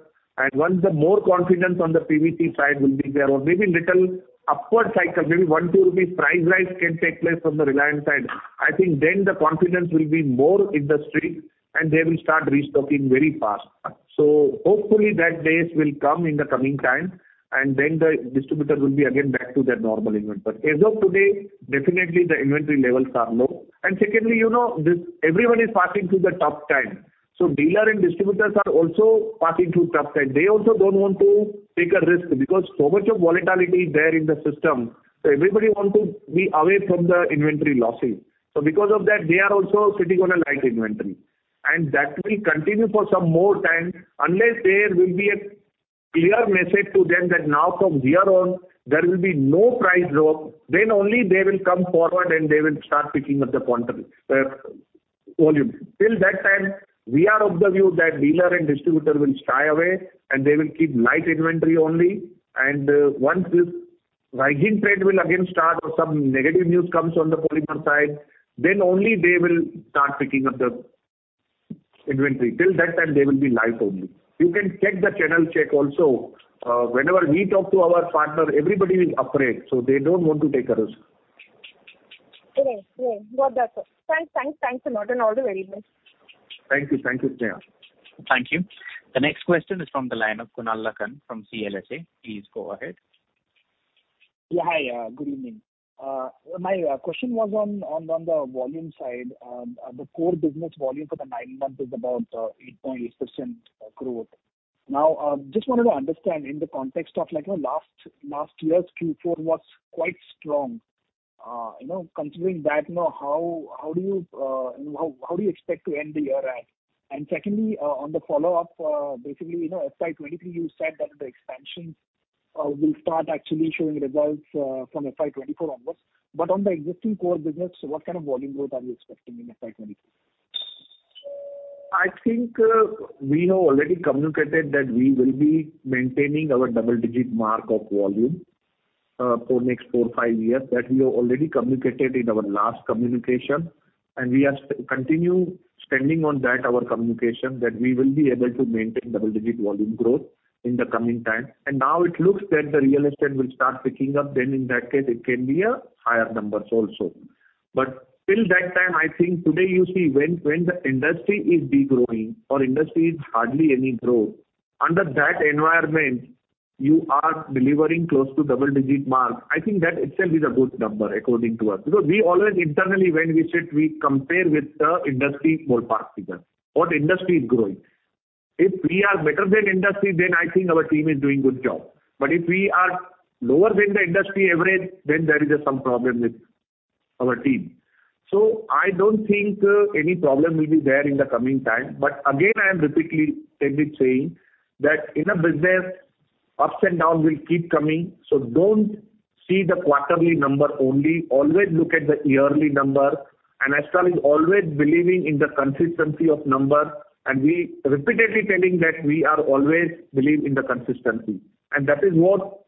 Once the more confidence on the PVC side will be there, or maybe little upward cycle, maybe 1-2 rupees price rise can take place from the Reliance side. I think then the confidence will be more in the industry and they will start restocking very fast. Hopefully those days will come in the coming time, and then the distributor will be again back to their normal inventory. As of today, definitely the inventory levels are low. Secondly, you know, this, everyone is passing through the tough time. Dealers and distributors are also passing through tough time. They also don't want to take a risk because so much of volatility there in the system, so everybody want to be away from the inventory losses. Because of that, they are also sitting on a light inventory. That will continue for some more time unless there will be a clear message to them that now from here on there will be no price drop, then only they will come forward and they will start picking up the quantity, volume. Till that time, we are of the view that dealer and distributor will shy away and they will keep light inventory only. Once this rising trade will again start or some negative news comes on the polymer side, then only they will start picking up the inventory. Till that time they will be light only. You can check the channel check also. Whenever we talk to our partner everybody is afraid, so they don't want to take a risk. Okay. Yeah. Got that, sir. Thanks a lot, and all the very best. Thank you. Thank you, Sneha. Thank you. The next question is from the line of Kunal Lakhan from CLSA. Please go ahead. Hi. Good evening. My question was on the volume side. The core business volume for the nine months is about 8.8% growth. Now, just wanted to understand in the context of like, you know, last year's Q4 was quite strong. You know, considering that, you know, how do you expect to end the year at? And secondly, on the follow-up, basically, you know, FY 2023 you said that the expansion will start actually showing results from FY 2024 onwards. But on the existing core business, what kind of volume growth are you expecting in FY 2023? I think, we have already communicated that we will be maintaining our double-digit mark of volume, for next 4-5 years, that we have already communicated in our last communication, and we are still standing on that, our communication, that we will be able to maintain double-digit volume growth in the coming time. Now it looks that the real estate will start picking up, then in that case it can be higher numbers also. Till that time, I think today you see when the industry is degrowing or industry is hardly any growth, under that environment you are delivering close to double-digit mark. I think that itself is a good number according to us. Because we always internally when we sit we compare with the industry ballpark figure. What industry is growing. If we are better than industry, then I think our team is doing good job. But if we are lower than the industry average, then there is some problem with our team. I don't think any problem will be there in the coming time. But again, I am repeatedly saying that in a business ups and downs will keep coming, so don't see the quarterly number only. Always look at the yearly number. Astral is always believing in the consistency of number, and we repeatedly telling that we are always believe in the consistency. That is what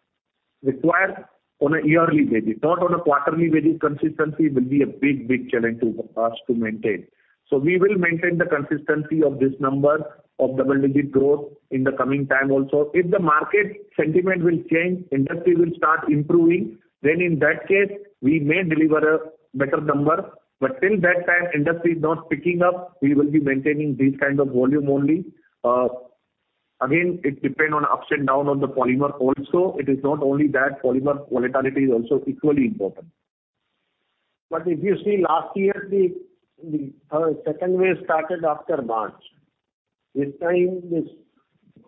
require on a yearly basis, not on a quarterly basis. Consistency will be a big challenge to us to maintain. We will maintain the consistency of this number of double-digit growth in the coming time also. If the market sentiment will change, industry will start improving, then in that case we may deliver a better number. Till that time industry is not picking up, we will be maintaining this kind of volume only. Again, it depends on ups and downs on the polymer also. It is not only that. Polymer volatility is also equally important. If you see last year the second wave started after March. This time this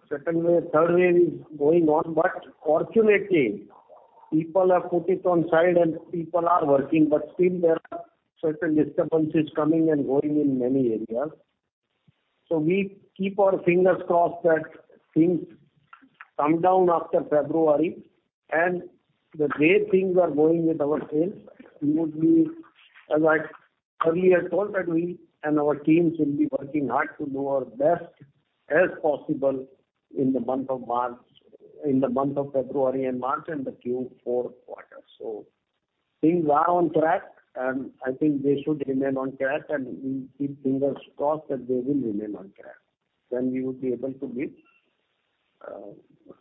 second wave, third wave is going on, but fortunately people have put it aside and people are working, but still there are certain disturbances coming and going in many areas. We keep our fingers crossed that things come down after February. The way things are going with our sales, we would be, as I earlier told that we and our teams will be working hard to do our best as possible in the month of February and March in the Q4 quarter. Things are on track, and I think they should remain on track and we keep fingers crossed that they will remain on track. We would be able to meet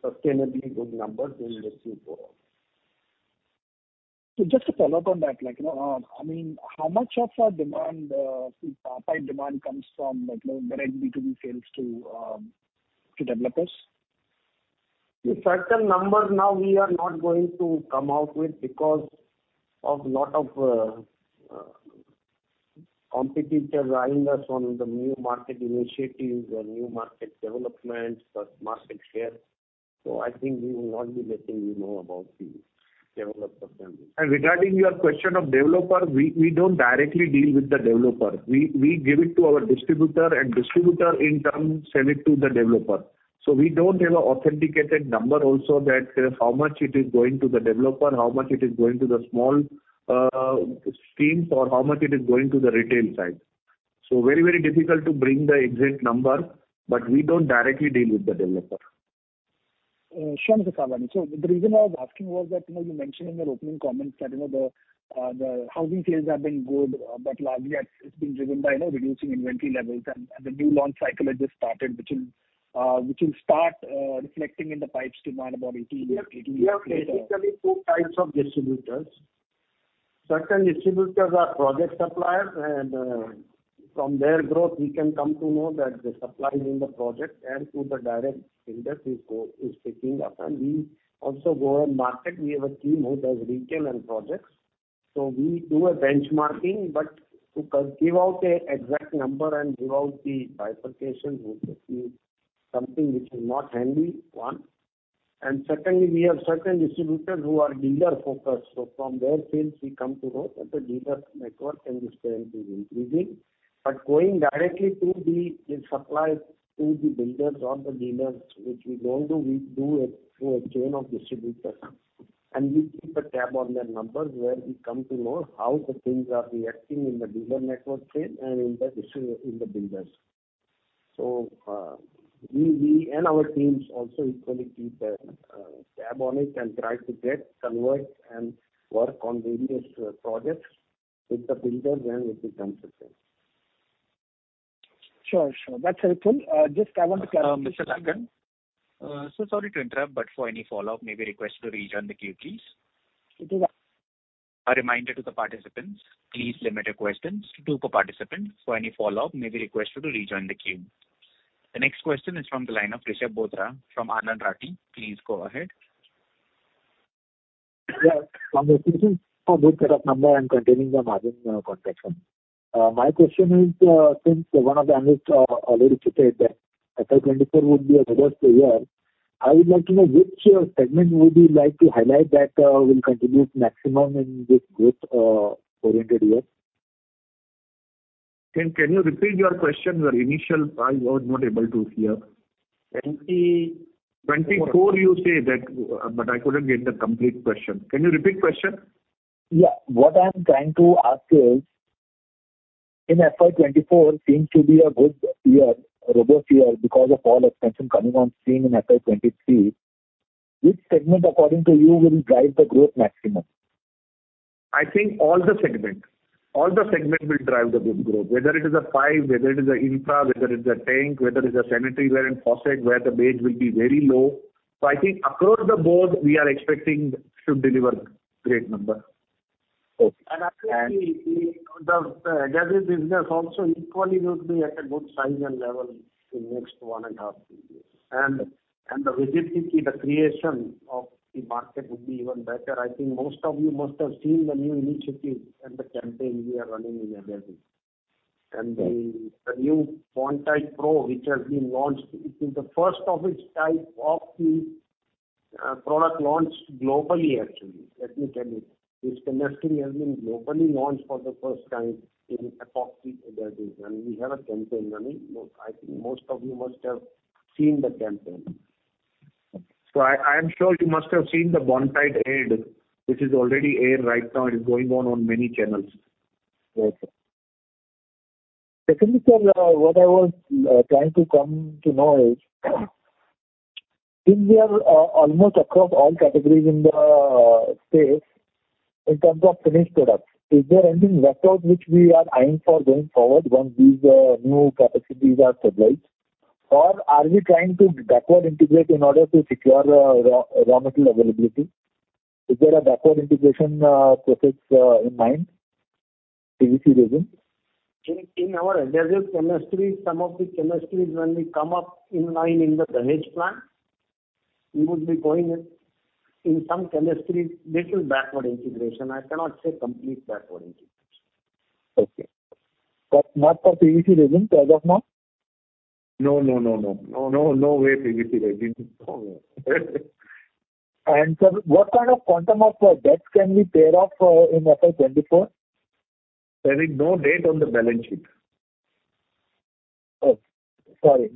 sustainably good numbers in this Q4. Just to follow up on that, like, you know, I mean, how much of our demand, pipe demand comes from like, you know, direct B2B sales to developers? These certain numbers now we are not going to come out with because of lot of competitor eyeing us on the new market initiatives or new market developments plus market share. I think we won't be letting you know about the developer sales. Regarding your question of developer, we don't directly deal with the developer. We give it to our distributor and distributor in turn send it to the developer. We don't have an authenticated number also that how much it is going to the developer, how much it is going to the small schemes or how much it is going to the retail side. Very, very difficult to bring the exact number, but we don't directly deal with the developer. Sure, Mr. Savlani. The reason I was asking was that, you know, you mentioned in your opening comments that, you know, the housing sales have been good, but largely it's been driven by, you know, reducing inventory levels and the new launch cycle has just started, which will start reflecting in the pipes demand about 18 weeks later. We have basically two types of distributors. Certain distributors are project suppliers, and from their growth, we can come to know that the supply in the project and to the direct industry is picking up. We also go and market. We have a team who does retail and projects. We do a benchmarking. To give out an exact number and give out the bifurcation would be something which is not handy one. Secondly, we have certain distributors who are dealer-focused, so from their sales we come to know that the dealer network and its strength is increasing. Going directly to the suppliers, to the builders or the dealers, which we don't do, we do it through a chain of distributors. We keep a tab on their numbers, where we come to know how the things are reacting in the dealer network chain and in the builders. We and our teams also equally keep a tab on it and try to get, convert, and work on various projects with the builders and with the contractors. Sure. That's helpful. Just, I want to clarify. Mr. Savlani, so sorry to interrupt, but for any follow-up may we request you to rejoin the queue, please. Okay, bye. A reminder to the participants, please limit your questions to two per participant. For any follow-up, may we request you to rejoin the queue. The next question is from the line of Rishab Bothra from Anand Rathi. Please go ahead. Yeah. On the question of good set of number and continuing the margin contraction. My question is, since one of the analysts already stated that FY 2024 would be a robust year, I would like to know which segment would you like to highlight that will contribute maximum in this growth oriented year? Can you repeat your question? I was not able to hear. Twenty... 24, you say that, but I couldn't get the complete question. Can you repeat question? Yeah. What I'm trying to ask is, in FY 2024 seems to be a good year, a robust year because of all expansion coming on stream in FY 2023. Which segment according to you will drive the growth maximum? I think all the segments. All the segment will drive the good growth. Whether it is a pipe, whether it is a infra, whether it's a tank, whether it's a sanitary ware and faucet, where the base will be very low. I think across the board we are expecting to deliver great number. Okay. I think the adhesive business also equally would be at a good size and level in next one and a half years. The visibility, the creation of the market would be even better. I think most of you must have seen the new initiative and the campaign we are running in adhesive. The new Bondtite PRO, which has been launched, it is the first of its type of the product launched globally actually, let me tell you. This chemistry has been globally launched for the first time in epoxy adhesives, and we have a campaign running. I think most of you must have seen the campaign. I am sure you must have seen the Bondtite ad, which is already on air right now. It is going on many channels. Okay. Secondly, sir, what I was trying to come to know is since we are almost across all categories in the space in terms of finished products, is there anything left out which we are eyeing for going forward once these new capacities are stabilized? Or are we trying to backward integrate in order to secure raw material availability? Is there a backward integration process in mind, PVC resin? In our adhesive chemistry, some of the chemistries when we come online in the Dahej plant, we would be going into some chemistry a little backward integration. I cannot say complete backward integration. Okay. Not for PVC resin as of now? No. No way PVC resin. Sir, what kind of quantum of debts can we pay off in FY 2024? There is no debt on the balance sheet. Oh, sorry.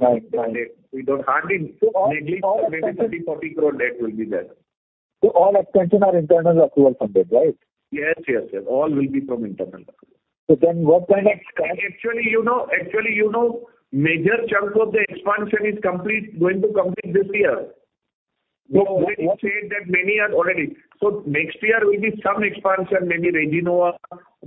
We don't have any. Negligible, maybe INR 30 crore-INR 40 crore debt will be there. All expansion are internal accrual funded, right? Yes, yes. All will be from internal accrual. What kind of CapEx? Actually, you know, major chunk of the expansion is complete, going to complete this year. What- We said that many are already. Next year will be some expansion, maybe Resinova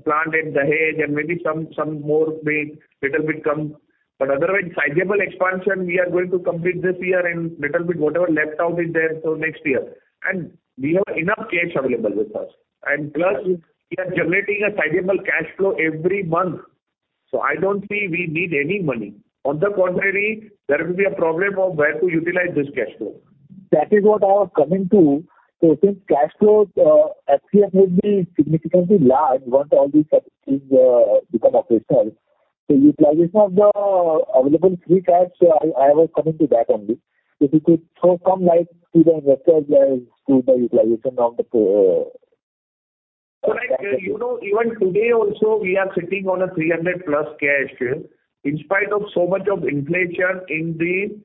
plant at Dahej and maybe some more may little bit come. Otherwise sizable expansion we are going to complete this year and little bit whatever left out is there till next year. We have enough cash available with us. Plus we are generating a sizable cash flow every month, so I don't see we need any money. On the contrary, there will be a problem of where to utilize this cash flow. That is what I was coming to. Since cash flows, FCF will be significantly large once all these capacities become operational. Utilization of the available free cash, I was coming to that only. If you could throw some light to the investors as to the utilization of the, Like, you know, even today also we are sitting on 300+ crore cash, in spite of so much of inflation in the,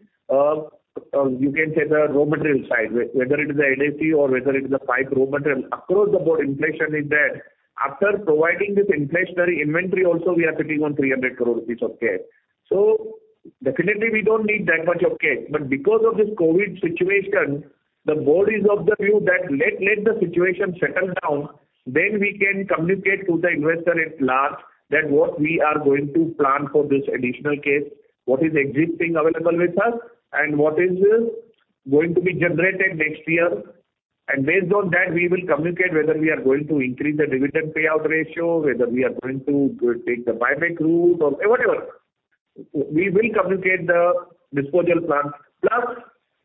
you can say the raw material side, whether it is the LAC or whether it is the pipe raw material. Across the board, inflation is there. After providing this inflationary inventory also, we are sitting on 300 crore rupees of cash. Definitely we don't need that much of cash. Because of this COVID situation, the board is of the view that let the situation settle down, then we can communicate to the investor at large that what we are going to plan for this additional cash, what is existing available with us and what is going to be generated next year. Based on that, we will communicate whether we are going to increase the dividend payout ratio, whether we are going to take the buyback route or whatever. We will communicate the disposal plan. Plus,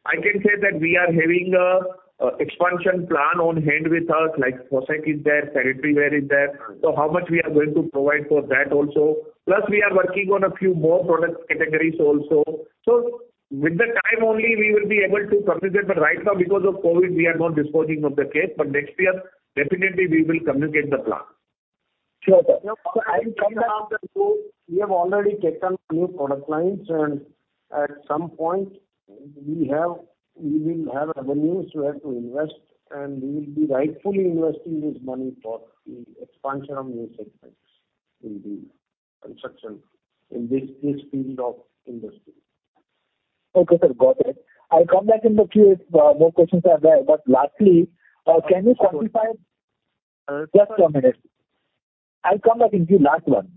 I can say that we are having a expansion plan on hand with us, like faucet is there, sanitary ware is there. How much we are going to provide for that also. Plus we are working on a few more product categories also. With the time only we will be able to communicate. Right now because of COVID, we are not disposing of the cash. Next year definitely we will communicate the plan. Sure, sir. We have already taken new product lines, and at some point we will have revenues where to invest, and we will be rightfully investing this money for the expansion of new segments in the construction, in this field of industry. Okay, sir. Got it. I'll come back in the queue. More questions are there. Lastly, just one minute. I'll come back in queue. Last one.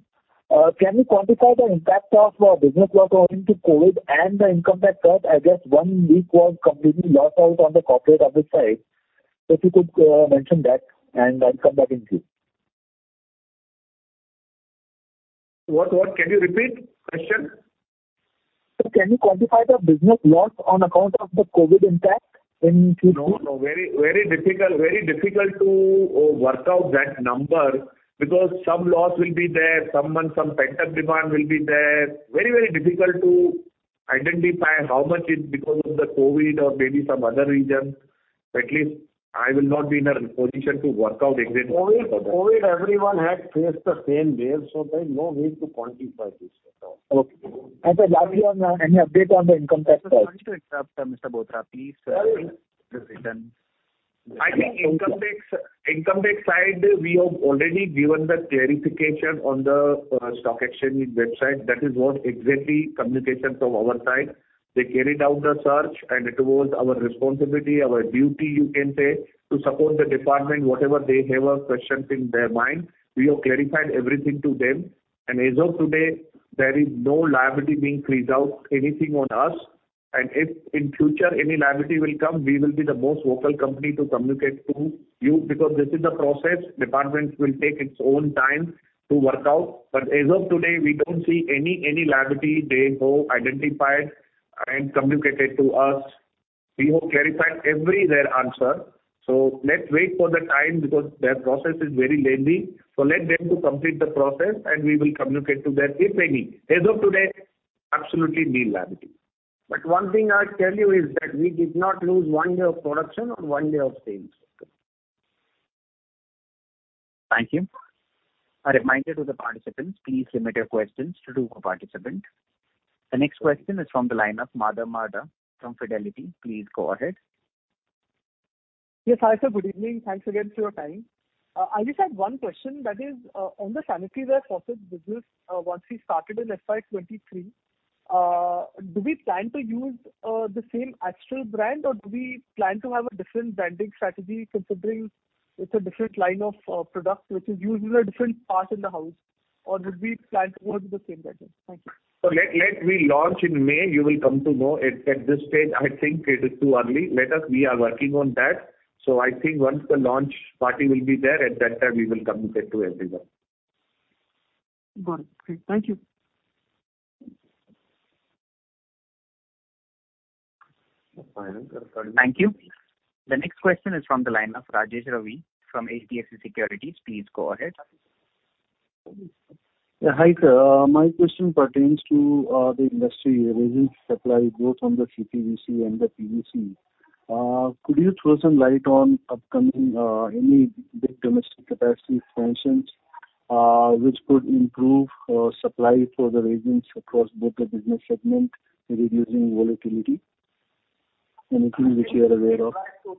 Can you quantify the impact of business loss owing to COVID and the income tax charge? I guess one week was completely lost out on the corporate office side. If you could mention that, and I'll come back in queue. What, what? Can you repeat question? Sir, can you quantify the business loss on account of the COVID impact in Q-? No, no. Very difficult to work out that number because some loss will be there, some pent-up demand will be there. Very difficult to identify how much is because of the COVID or maybe some other reason. At least I will not be in a position to work out exactly. COVID everyone had faced the same way, so there's no need to quantify this at all. Okay. Sir, lastly on any update on the income tax side? Sorry to interrupt, Mr. Bothra. Please complete the sentence. I think income tax, income tax side, we have already given the clarification on the stock exchange website. That is what exactly communication from our side. They carried out the search and it was our responsibility, our duty you can say, to support the department, whatever they have a questions in their mind, we have clarified everything to them. As of today, there is no liability being created or anything on us. If in future any liability will come, we will be the most vocal company to communicate to you because this is the process. Department will take its own time to work out. As of today, we don't see any liability they have identified and communicated to us. We have clarified everything they asked. Let's wait for the time because their process is very lengthy. Let them to complete the process and we will communicate to that if any. As of today, absolutely nil liability. One thing I'll tell you is that we did not lose one day of production or one day of sales. Thank you. A reminder to the participants, please limit your questions to two per participant. The next question is from the line of Madhav Marda from Fidelity. Please go ahead. Yes. Hi, sir. Good evening. Thanks again for your time. I just had one question that is, on the sanitary ware faucets business, once we started in FY 2023, do we plan to use the same Astral brand or do we plan to have a different branding strategy considering it's a different line of product which is used in a different part in the house? Or do we plan to go with the same branding? Thank you. Let me launch in May, you will come to know. At this stage, I think it is too early. We are working on that. I think once the launch party will be there, at that time we will communicate to everyone. Got it. Great. Thank you. Thank you. The next question is from the line of Rajesh Ravi from HDFC Securities. Please go ahead. Yeah. Hi, sir. My question pertains to the industry resins supply growth on the CPVC and the PVC. Could you throw some light on upcoming any big domestic capacity expansions which could improve supply for the resins across both the business segment, reducing volatility? Anything which you are aware of?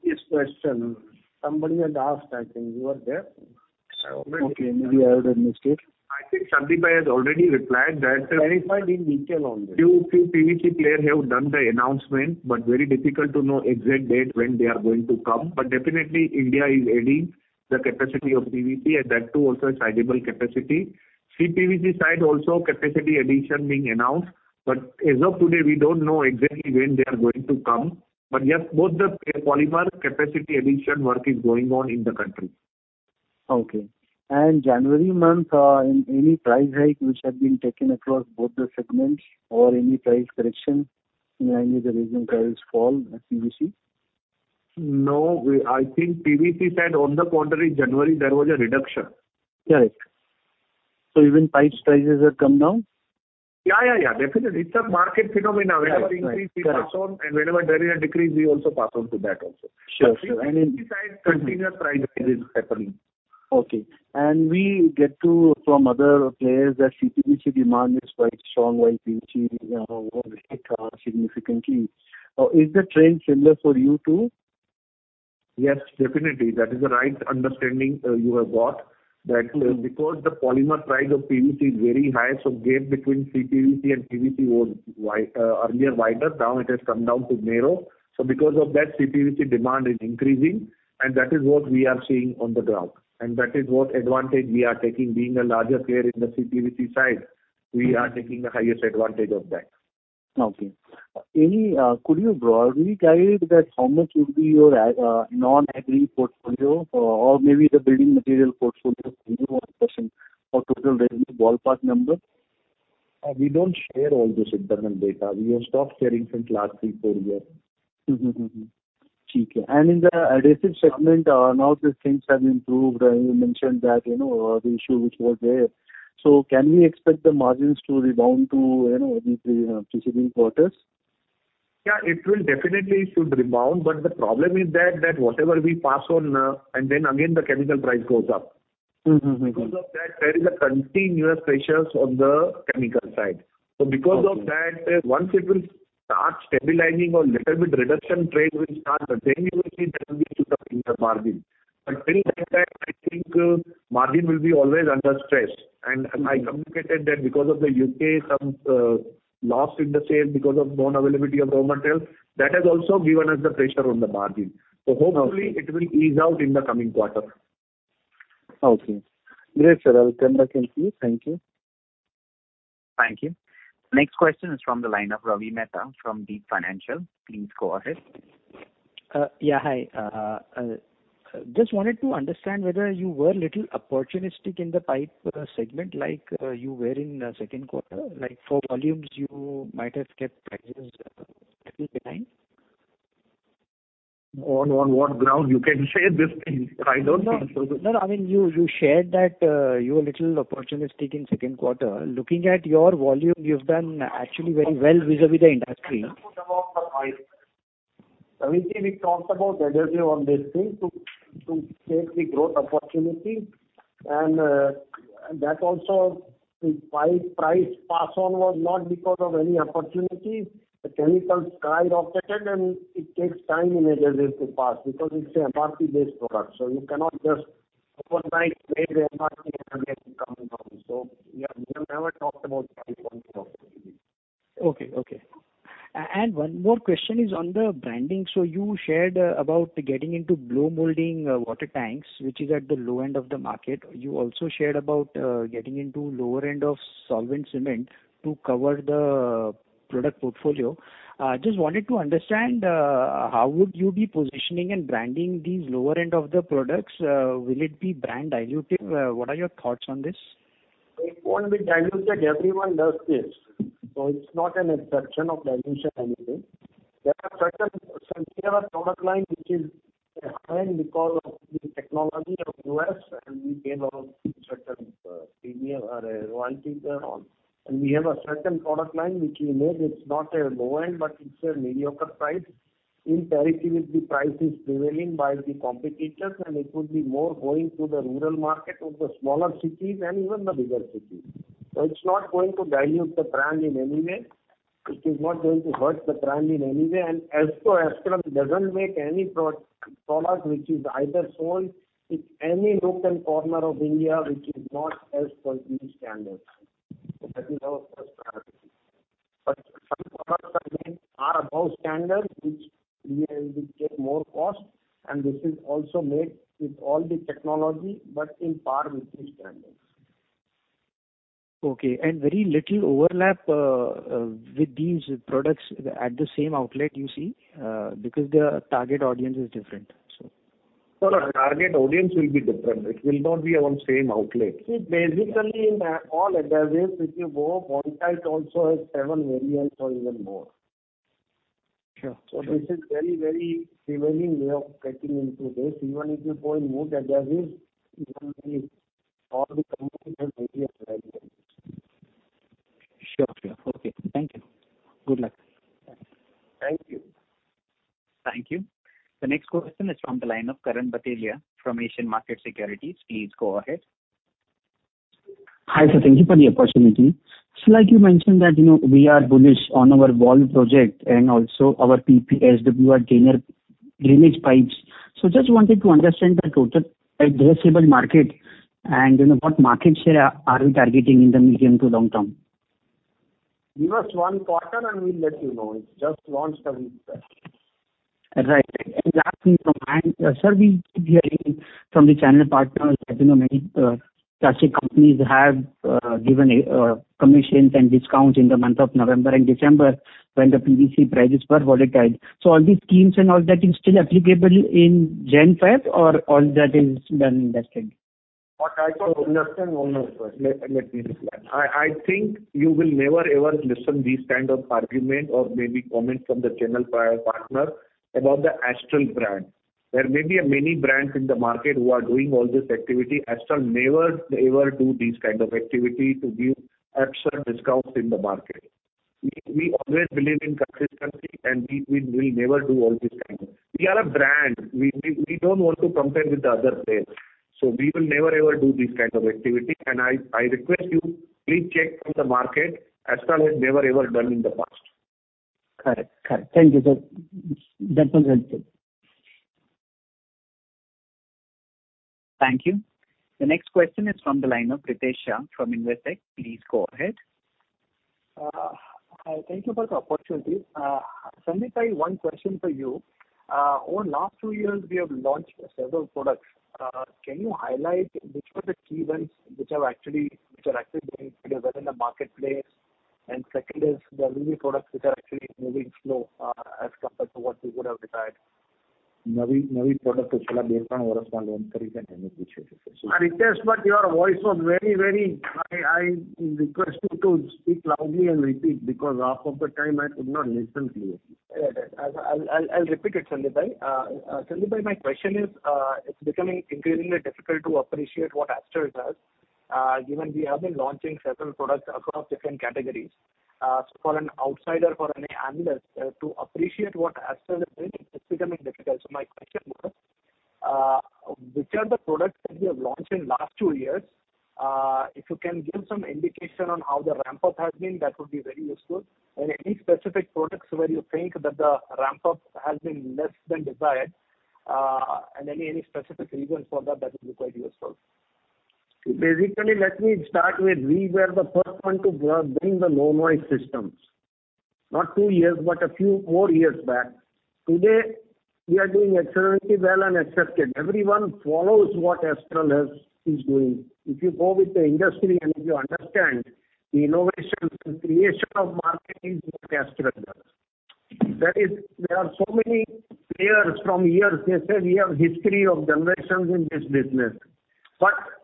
This question, somebody had asked, I think you were there. Okay. Maybe I have a mistake. I think Sandeep has already replied that. Clarified in detail on this. Few PVC players have done the announcement, but very difficult to know exact date when they are going to come. Definitely India is adding the capacity of PVC and that too also a sizable capacity. CPVC side also capacity addition being announced, but as of today, we don't know exactly when they are going to come. Yes, both the polymer capacity addition work is going on in the country. Okay. January month, any price hike which have been taken across both the segments or any price correction in any of the resin price fall in PVC? No. I think PVC side on the contrary, January there was a reduction. Correct. Even pipes prices have come down? Yeah, definitely. It's a market phenomenon. Right, right. Correct. Whenever there is an increase, we pass on, and whenever there is a decrease, we also pass on to that also. Sure, sure. We will see continuous price rises happening. Okay. We hear from other players that CPVC demand is quite strong while PVC went down significantly. Is the trend similar for you too? Yes, definitely. That is the right understanding you have got. That because the polymer price of PVC is very high, so gap between CPVC and PVC was earlier wider, now it has come down to narrow. Because of that, CPVC demand is increasing, and that is what we are seeing on the ground. That is what advantage we are taking being a larger player in the CPVC side. We are taking the highest advantage of that. Okay. Any, could you broadly guide that how much would be your non-agri portfolio or maybe the building material portfolio in your question of total revenue ballpark number? We don't share all this internal data. We have stopped sharing since last 3-4 years. Mm-hmm. Mm-hmm. In the adhesive segment, now that things have improved, you mentioned that, you know, the issue which was there. Can we expect the margins to rebound to, you know, the preceding quarters? Yeah, it will definitely should rebound, but the problem is that whatever we pass on, and then again the chemical price goes up. Mm-hmm, mm-hmm. Because of that, there is continuous pressure on the chemical side. Okay. Because of that, once it will start stabilizing or little bit reduction trade will start, then you will see that will be to the upside in the margin. Till that time, I think, margin will be always under stress. As I communicated that because of the U.K., some loss in the sales because of non-availability of raw material, that has also given us the pressure on the margin. Okay. Hopefully it will ease out in the coming quarter. Okay. Great, sir. I'll come back in queue. Thank you. Thank you. Next question is from the line of Ravi Mehta from Deep Financial. Please go ahead. Yeah, hi. Just wanted to understand whether you were little opportunistic in the pipe segment like you were in the second quarter. Like, for volumes, you might have kept prices little behind. On what ground you can say this thing? I don't think so. No, no, I mean, you shared that you were little opportunistic in Q2. Looking at your volume, you've done actually very well vis-à-vis the industry. I never talked about the price. Ravi ji, we talked about the adhesive on this thing to take the growth opportunity. That also the pipe price pass-on was not because of any opportunity. The chemicals skyrocketed, and it takes time in adhesive to pass because it's a MRP-based product, so you cannot just overnight play the MRP and make it come down. Yeah, we have never talked about price points of PVC. One more question is on the branding. You shared about getting into blow molding, water tanks, which is at the low end of the market. You also shared about getting into lower end of solvent cement to cover the product portfolio. Just wanted to understand how would you be positioning and branding these lower end of the products. Will it be brand dilutive? What are your thoughts on this? It won't be dilutive. Everyone does this. It's not an exception of dilution anyway. There are certain product line which is a high-end because of the technology of US, and we pay lot of certain premium or royalties are on. We have a certain product line which we made, it's not a low-end, but it's a mediocre price in parity with the price is prevailing by the competitors, and it would be more going to the rural market of the smaller cities and even the bigger cities. It's not going to dilute the brand in any way. It is not going to hurt the brand in any way. Astral doesn't make any proper product which is either sold in any local corner of India which is not as per the standards. That is our first priority. Some products again are above standard, which we will get more cost, and this is also made with all the technology but on par with the standards. Okay. Very little overlap with these products at the same outlet you see, because their target audience is different, so. No, no, target audience will be different. It will not be on same outlet. See, basically in all adhesives if you go, Fevicol also has seven variants or even more. Sure, sure. This is very, very prevalent way of getting into this. Even if you go in more adhesives, all the companies have various varieties. Sure, sure. Okay. Thank you. Good luck. Thanks. Thank you. Thank you. The next question is from the line of Karan Bhatelia from Asian Markets Securities. Please go ahead. Hi, sir. Thank you for the opportunity. Like you mentioned that, you know, we are bullish on our wall project and also our PP SWR drainage pipes. Just wanted to understand the total addressable market and, you know, what market share are we targeting in the medium to long term? Give us one quarter and we'll let you know. It's just launched a week back. Right. Last thing from my end. Sir, we keep hearing from the channel partners that, you know, many plastic companies have given commissions and discounts in the month of November and December when the PVC prices were volatile. So all these schemes and all that is still applicable in January, February, or all that is done and dusted? What I don't understand, one more question. Let me reply. I think you will never ever hear these kind of argument or maybe comment from the channel partner about the Astral brand. There may be many brands in the market who are doing all this activity. Astral never ever do this kind of activity to give absurd discounts in the market. We always believe in consistency, and we will never do all this kind. We are a brand. We don't want to compare with the other players, so we will never, ever do this kind of activity. I request you, please check from the market. Astral has never, ever done in the past. Correct. Thank you, sir. That was helpful. Thank you. The next question is from the line of Ritesh Shah from Investec. Please go ahead. Hi. Thank you for the opportunity. Sandeep, I have one question for you. Over last two years, we have launched several products. Can you highlight which were the key ones which are actually doing pretty well in the marketplace? Second is there will be products which are actually moving slow, as compared to what we would have desired. Ritesh, your voice was very, very. I request you to speak loudly and repeat because half of the time I could not listen clearly. Right. I'll repeat it, Sandeep Engineer. My question is, it's becoming increasingly difficult to appreciate what Astral does, given we have been launching several products across different categories. For an outsider, for any analyst, to appreciate what Astral is doing, it's becoming difficult. My question was, which are the products that you have launched in last two years? If you can give some indication on how the ramp up has been, that would be very useful. Any specific products where you think that the ramp up has been less than desired, and any specific reasons for that would be quite useful. Basically, let me start with we were the first one to bring the low noise systems, not two years, but a few more years back. Today, we are doing excellently well and accepted. Everyone follows what Astral is doing. If you go with the industry and if you understand the innovations and creation of market is what Astral does. There are so many players from years. They say we have history of generations in this business.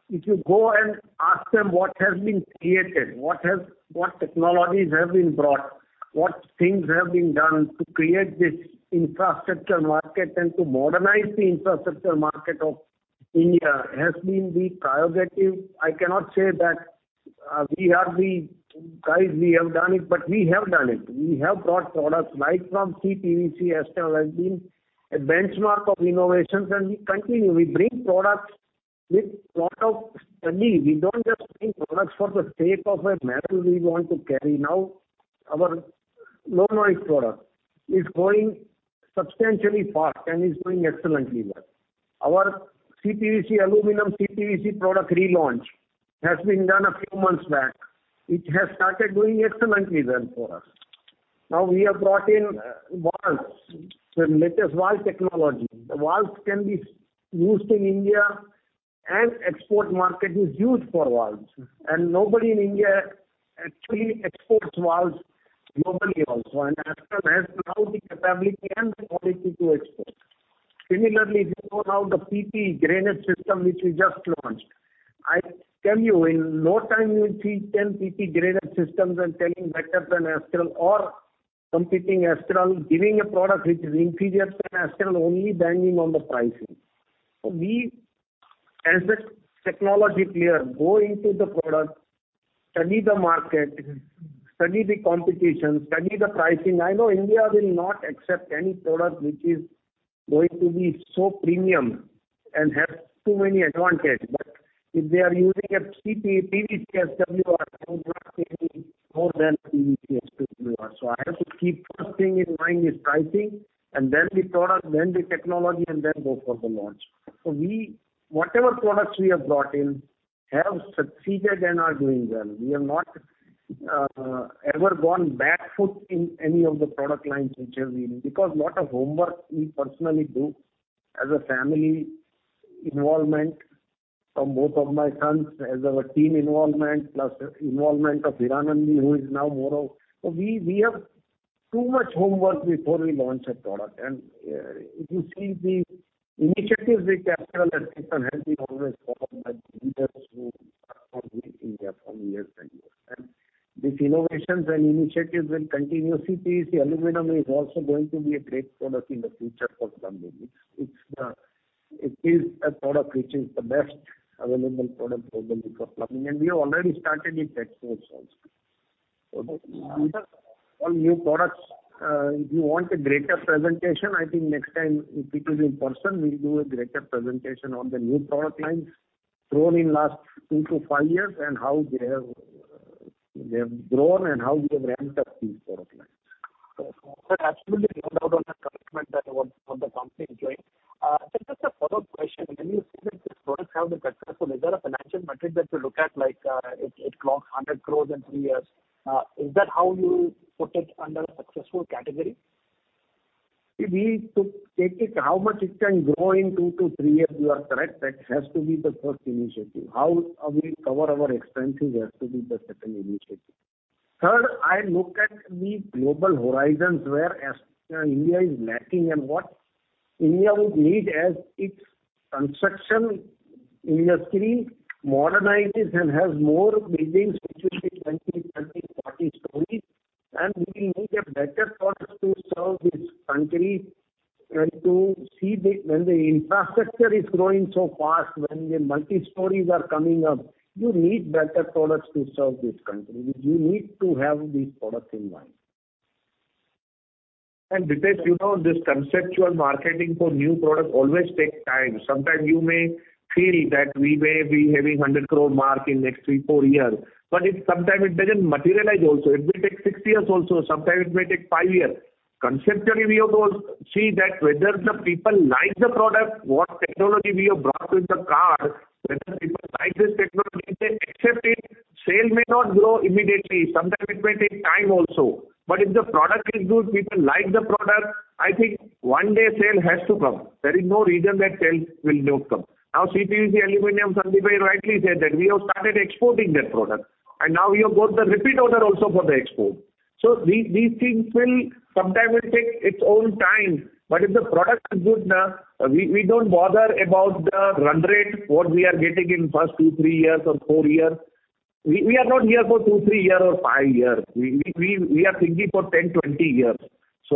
If you go and ask them what has been created, what technologies have been brought, what things have been done to create this infrastructure market and to modernize the infrastructure market of India has been the prerogative. I cannot say that, we are the guys, we have done it, but we have done it. We have brought products right from CPVC. Astral has been a benchmark of innovations, and we continue. We bring products with lot of study. We don't just bring products for the sake of a medal we want to carry. Now, our low noise product is growing substantially fast and is doing excellently well. Our CPVC, aluminum CPVC product relaunch has been done a few months back. It has started doing excellently well for us. Now we have brought in valves, the latest valve technology. The valves can be used in India, and export market is huge for valves. Nobody in India actually exports valves globally also. Astral has now the capability and the quality to export. Similarly, if you go now the PP drainage system which we just launched, I tell you, in no time you will see 10 PP drainage systems and selling better than Astral or competing with Astral, giving a product which is inferior to Astral, only banking on the pricing. We as a technology player go into the product, study the market, study the competition, study the pricing. I know India will not accept any product which is going to be so premium and have too many advantages. If they are using a CPVC SWR, they will not pay me more than PVC SWR. I have to keep first thing in mind is pricing and then the product, then the technology, and then go for the launch. We, whatever products we have brought in have succeeded and are doing well. We have not ever gone back foot in any of the product lines which are we in, because lot of homework we personally do as a family involvement from both of my sons, as our team involvement, plus involvement of Hiranand Savlani, who is now more of. We have too much homework before we launch a product. If you see the initiatives which Astral has taken has been always followed by leaders who are from India from years and years. These innovations and initiatives will continue. CPVC aluminum is also going to be a great product in the future for plumbing. It is a product which is the best available product globally for plumbing, and we have already started it exports also. These are all new products. If you want a greater presentation, I think next time if it is in person, we'll do a greater presentation on the new product lines grown in last 2-5 years and how they have grown and how we have ramped up these product lines. Absolutely no doubt on the commitment that what the company is doing. Just a follow-up question. When you say that these products have been successful, is there a financial metric that you look at like it clocks INR 100 crore in 3 years? Is that how you put it under successful category? Take it how much it can grow in 2-3 years, you are correct. That has to be the first initiative. How we cover our expenses has to be the second initiative. Third, I look at the global horizons where Astral India is lacking and what India would need as its construction industry modernizes and has more buildings, especially 20- to 40-story, and we need a better product to serve this country. When the infrastructure is growing so fast, when the multi-story are coming up, you need better products to serve this country. You need to have these products in mind. Ritesh, you know, this conceptual marketing for new products always take time. Sometimes you may feel that we may be having 100 crore mark in next 3-4 years, but sometimes it doesn't materialize also. It may take 6 years also. Sometimes it may take 5 years. Conceptually, we have to see that whether the people like the product, what technology we have brought with the car, whether people like this technology, they accept it. Sale may not grow immediately. Sometimes it may take time also. If the product is good, people like the product, I think one day sale has to come. There is no reason that sales will not come. Now, CPVC aluminum, Sandeep rightly said that we have started exporting that product and now we have got the repeat order also for the export. These things will sometime take its own time. If the product is good, we don't bother about the run rate, what we are getting in first 2, 3 years or 4 years. We are not here for 2, 3 years or 5 years. We are thinking for 10, 20 years.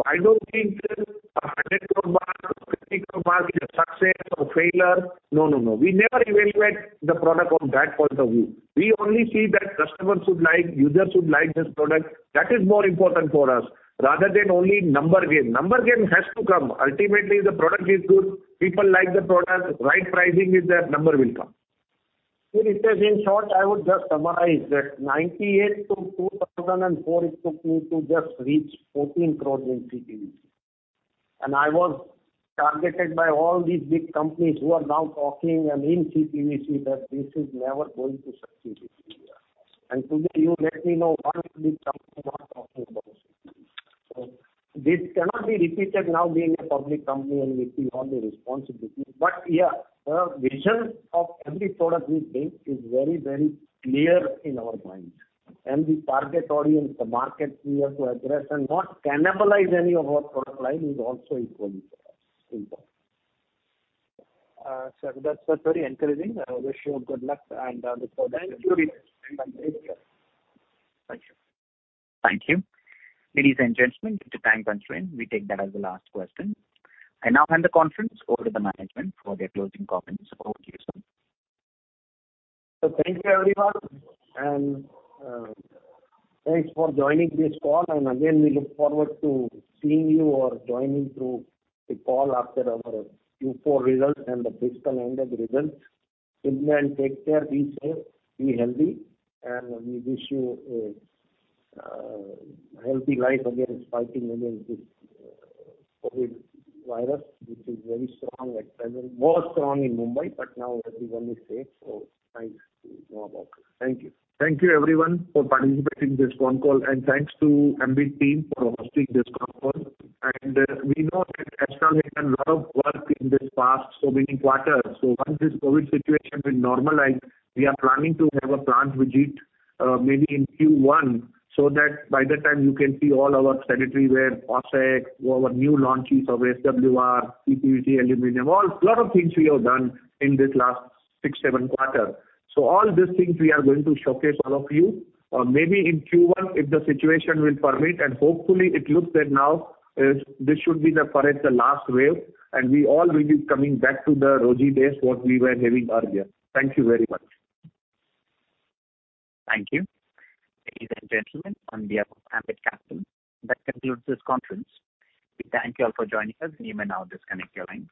I don't think a 100 crore mark or 50 crore mark is a success or failure. No. We never evaluate the product from that point of view. We only see that customers should like, users should like this product. That is more important for us rather than only number game. Number game has to come. Ultimately, if the product is good, people like the product, right pricing is there, number will come. Ritesh, in short, I would just summarize that 1998 to 2004, it took me to just reach 14 crores in CPVC. I was targeted by all these big companies who are now talking in CPVC that this is never going to succeed in India. Today, you let me know one big company who are talking about CPVC. This cannot be repeated now being a public company and with all the responsibilities. Yeah, the vision of every product we bring is very, very clear in our minds. The target audience, the market we have to address and not cannibalize any of our product line is also equally for us important. Sir, that's very encouraging. I wish you good luck and look forward to. Thank you, Ritesh. Thank you. Thank you. Thank you. Ladies and gentlemen, due to time constraint, we take that as the last question. I now hand the conference over to the management for their closing comments. Over to you, sir. Thank you everyone and thanks for joining this call and again we look forward to seeing you or joining through the call after our Q4 results and the fiscal ended results. India, take care, be safe, be healthy, and we wish you a healthy life against fighting against this COVID virus which is very strong at present. More strong in Mumbai, but now everyone is safe. Thanks to you all about it. Thank you. Thank you everyone for participating this con call and thanks to Ambit team for hosting this con call. We know that Astral made a lot of work in this past so many quarters. Once this COVID situation will normalize, we are planning to have a plant visit, maybe in Q1, so that by that time you can see all our sanitary ware, faucet, our new launches of SWR, CPVC, aluminum, a lot of things we have done in this last six, seven quarter. All these things we are going to showcase to all of you, maybe in Q1 if the situation will permit and hopefully it looks that now this should be the fourth, the last wave and we all will be coming back to the rosy days what we were having earlier. Thank you very much. Thank you. Ladies and gentlemen, on behalf of Ambit Capital, that concludes this conference. We thank you all for joining us. You may now disconnect your lines.